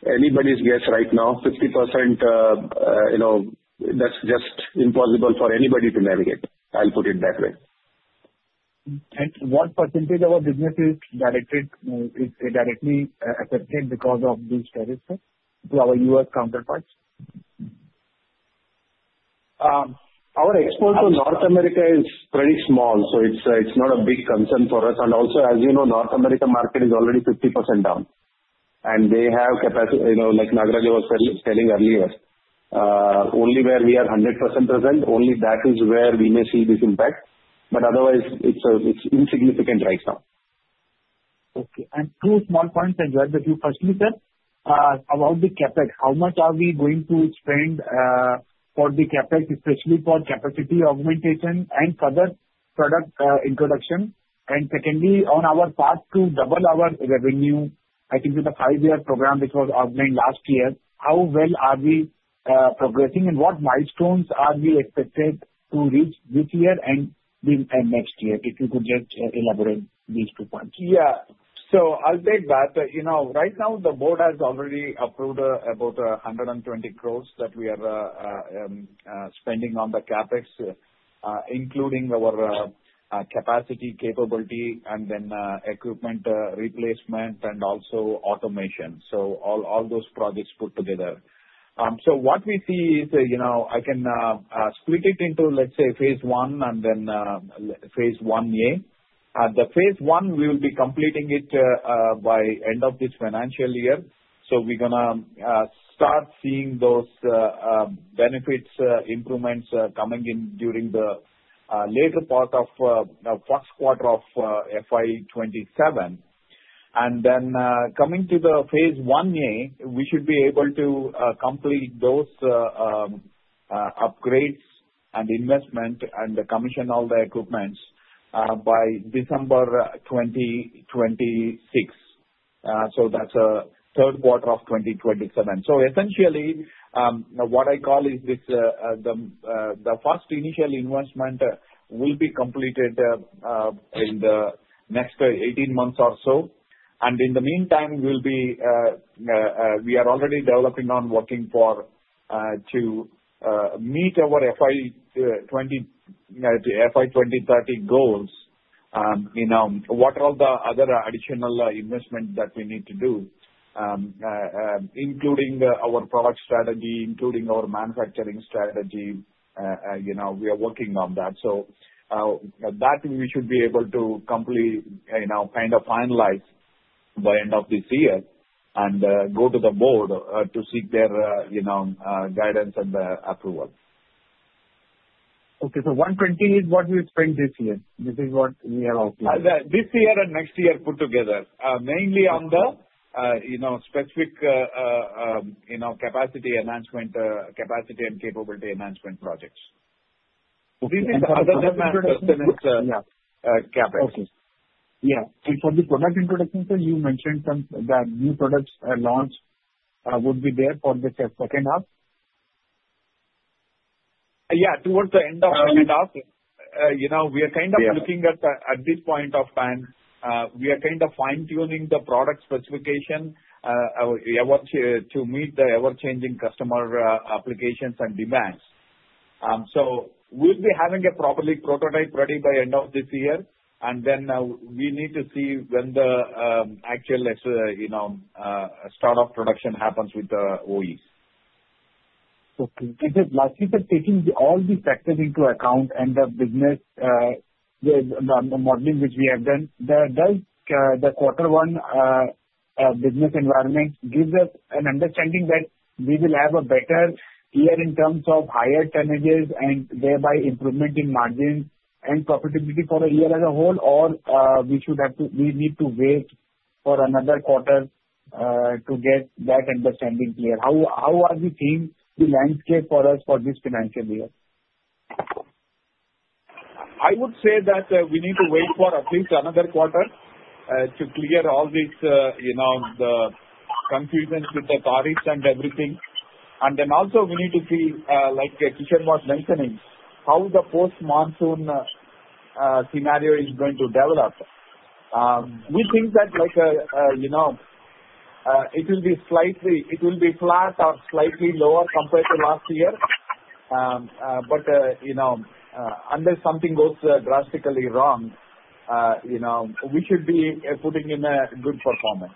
anybody's guess right now, 50%, that's just impossible for anybody to navigate. I'll put it that way. What percentage of our business is directly affected because of these tariffs to our U.S. counterparts? Our export to North America is pretty small, so it's not a big concern for us. And also, as you know, North America market is already 50% down. And they have capacity, like Nagar was telling earlier, only where we are 100% present, only that is where we may see this impact. But otherwise, it's insignificant right now. Okay. And two small points I wanted to firstly, sir, about the CapEx. How much are we going to spend for the CapEx, especially for capacity augmentation and further product introduction? And secondly, on our path to double our revenue, I think with the five-year program which was augmented last year, how well are we progressing, and what milestones are we expected to reach this year and next year? If you could just elaborate these two points. Yeah. So I'll take that. Right now, the board has already approved about 120 crores that we are spending on the CapEx, including our capacity, capability, and then equipment replacement, and also automation. So all those projects put together. What we see is I can split it into, let's say, phase one and then phase I-A. The phase one, we will be completing it by the end of this financial year. We're going to start seeing those benefits improvements coming in during the later part of the first quarter of FY2027. Coming to the phase I-A, we should be able to complete those upgrades and investment and commission all the equipments by December 2026. That's the third quarter of 2027. Essentially, what I call is the first initial investment will be completed in the next 18 months or so. In the meantime, we are already developing on working to meet our FY2030 goals. What are the other additional investments that we need to do, including our product strategy, including our manufacturing strategy? We are working on that so that we should be able to kind of finalize by the end of this year and go to the board to seek their guidance and approval. Okay. So 120 is what we spend this year. This is what we are also doing. This year and next year put together, mainly on the specific capacity enhancement, capacity and capability enhancement projects. Okay. And the other management is CapEx. Yeah. And for the product introduction, sir, you mentioned that new products launch would be there for the second half? Yeah. Towards the end of the second half, we are kind of looking at this point of time. We are kind of fine-tuning the product specification to meet the ever-changing customer applications and demands. So we'll be having a proper prototype ready by the end of this year. And then we need to see when the actual start-up production happens with the OEs. Okay. And sir, taking all these factors into account and the business modeling which we have done, does the quarter one business environment give us an understanding that we will have a better year in terms of higher tonnages and thereby improvement in margins and profitability for the year as a whole, or we need to wait for another quarter to get that understanding clear? How are we seeing the landscape for us for this financial year? I would say that we need to wait for at least another quarter to clear all the confusions with the tariffs and everything, and then also, we need to see, like Kishan was mentioning, how the post-monsoon scenario is going to develop. We think that it will be slightly flat or slightly lower compared to last year, but unless something goes drastically wrong, we should be putting in a good performance.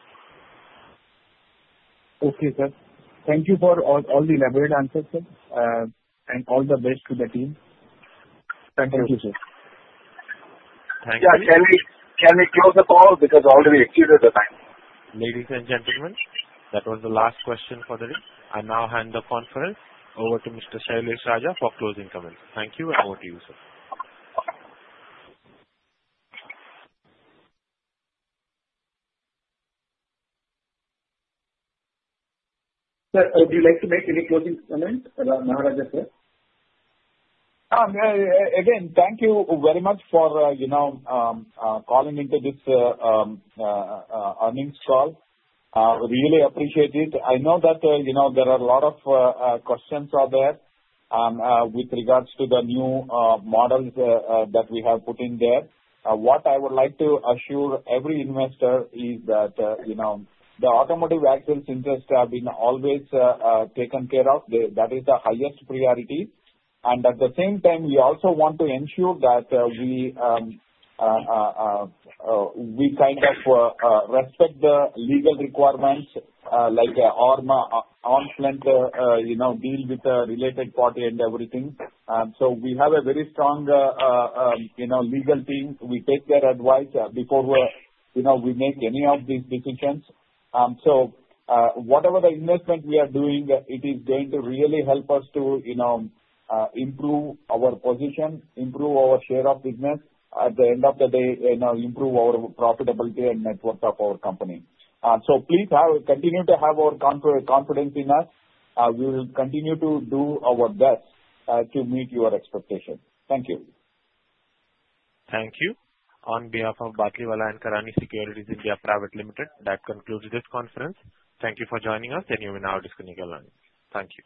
Okay, sir. Thank you for all the elaborate answers, sir, and all the best to the team. Thank you. Thank you, sir. Thank you. Yeah. Can we close the call? Because already we exceeded the time. Ladies and gentlemen, that was the last question for the day. I now hand the conference over to Mr. Sailesh Raja for closing comments. Thank you. Over to you, sir. Sir, would you like to make any closing comments about Nagaraja, sir? Again, thank you very much for calling into this earnings call. Really appreciate it. I know that there are a lot of questions out there with regards to the new models that we have put in there. What I would like to assure every investor is that the Automotive Axles interests have been always taken care of. That is the highest priority, and at the same time, we also want to ensure that we kind of respect the legal requirements, like arm's length, deal with the related party and everything. We have a very strong legal team. We take their advice before we make any of these decisions. Whatever the investment we are doing, it is going to really help us to improve our position, improve our share of business, at the end of the day, improve our profitability and net worth of our company. So please continue to have our confidence in us. We will continue to do our best to meet your expectations. Thank you. Thank you. On behalf of Batlivala and Karani Securities India Private Limited, that concludes this conference. Thank you for joining us, and you may now disconnect your line. Thank you.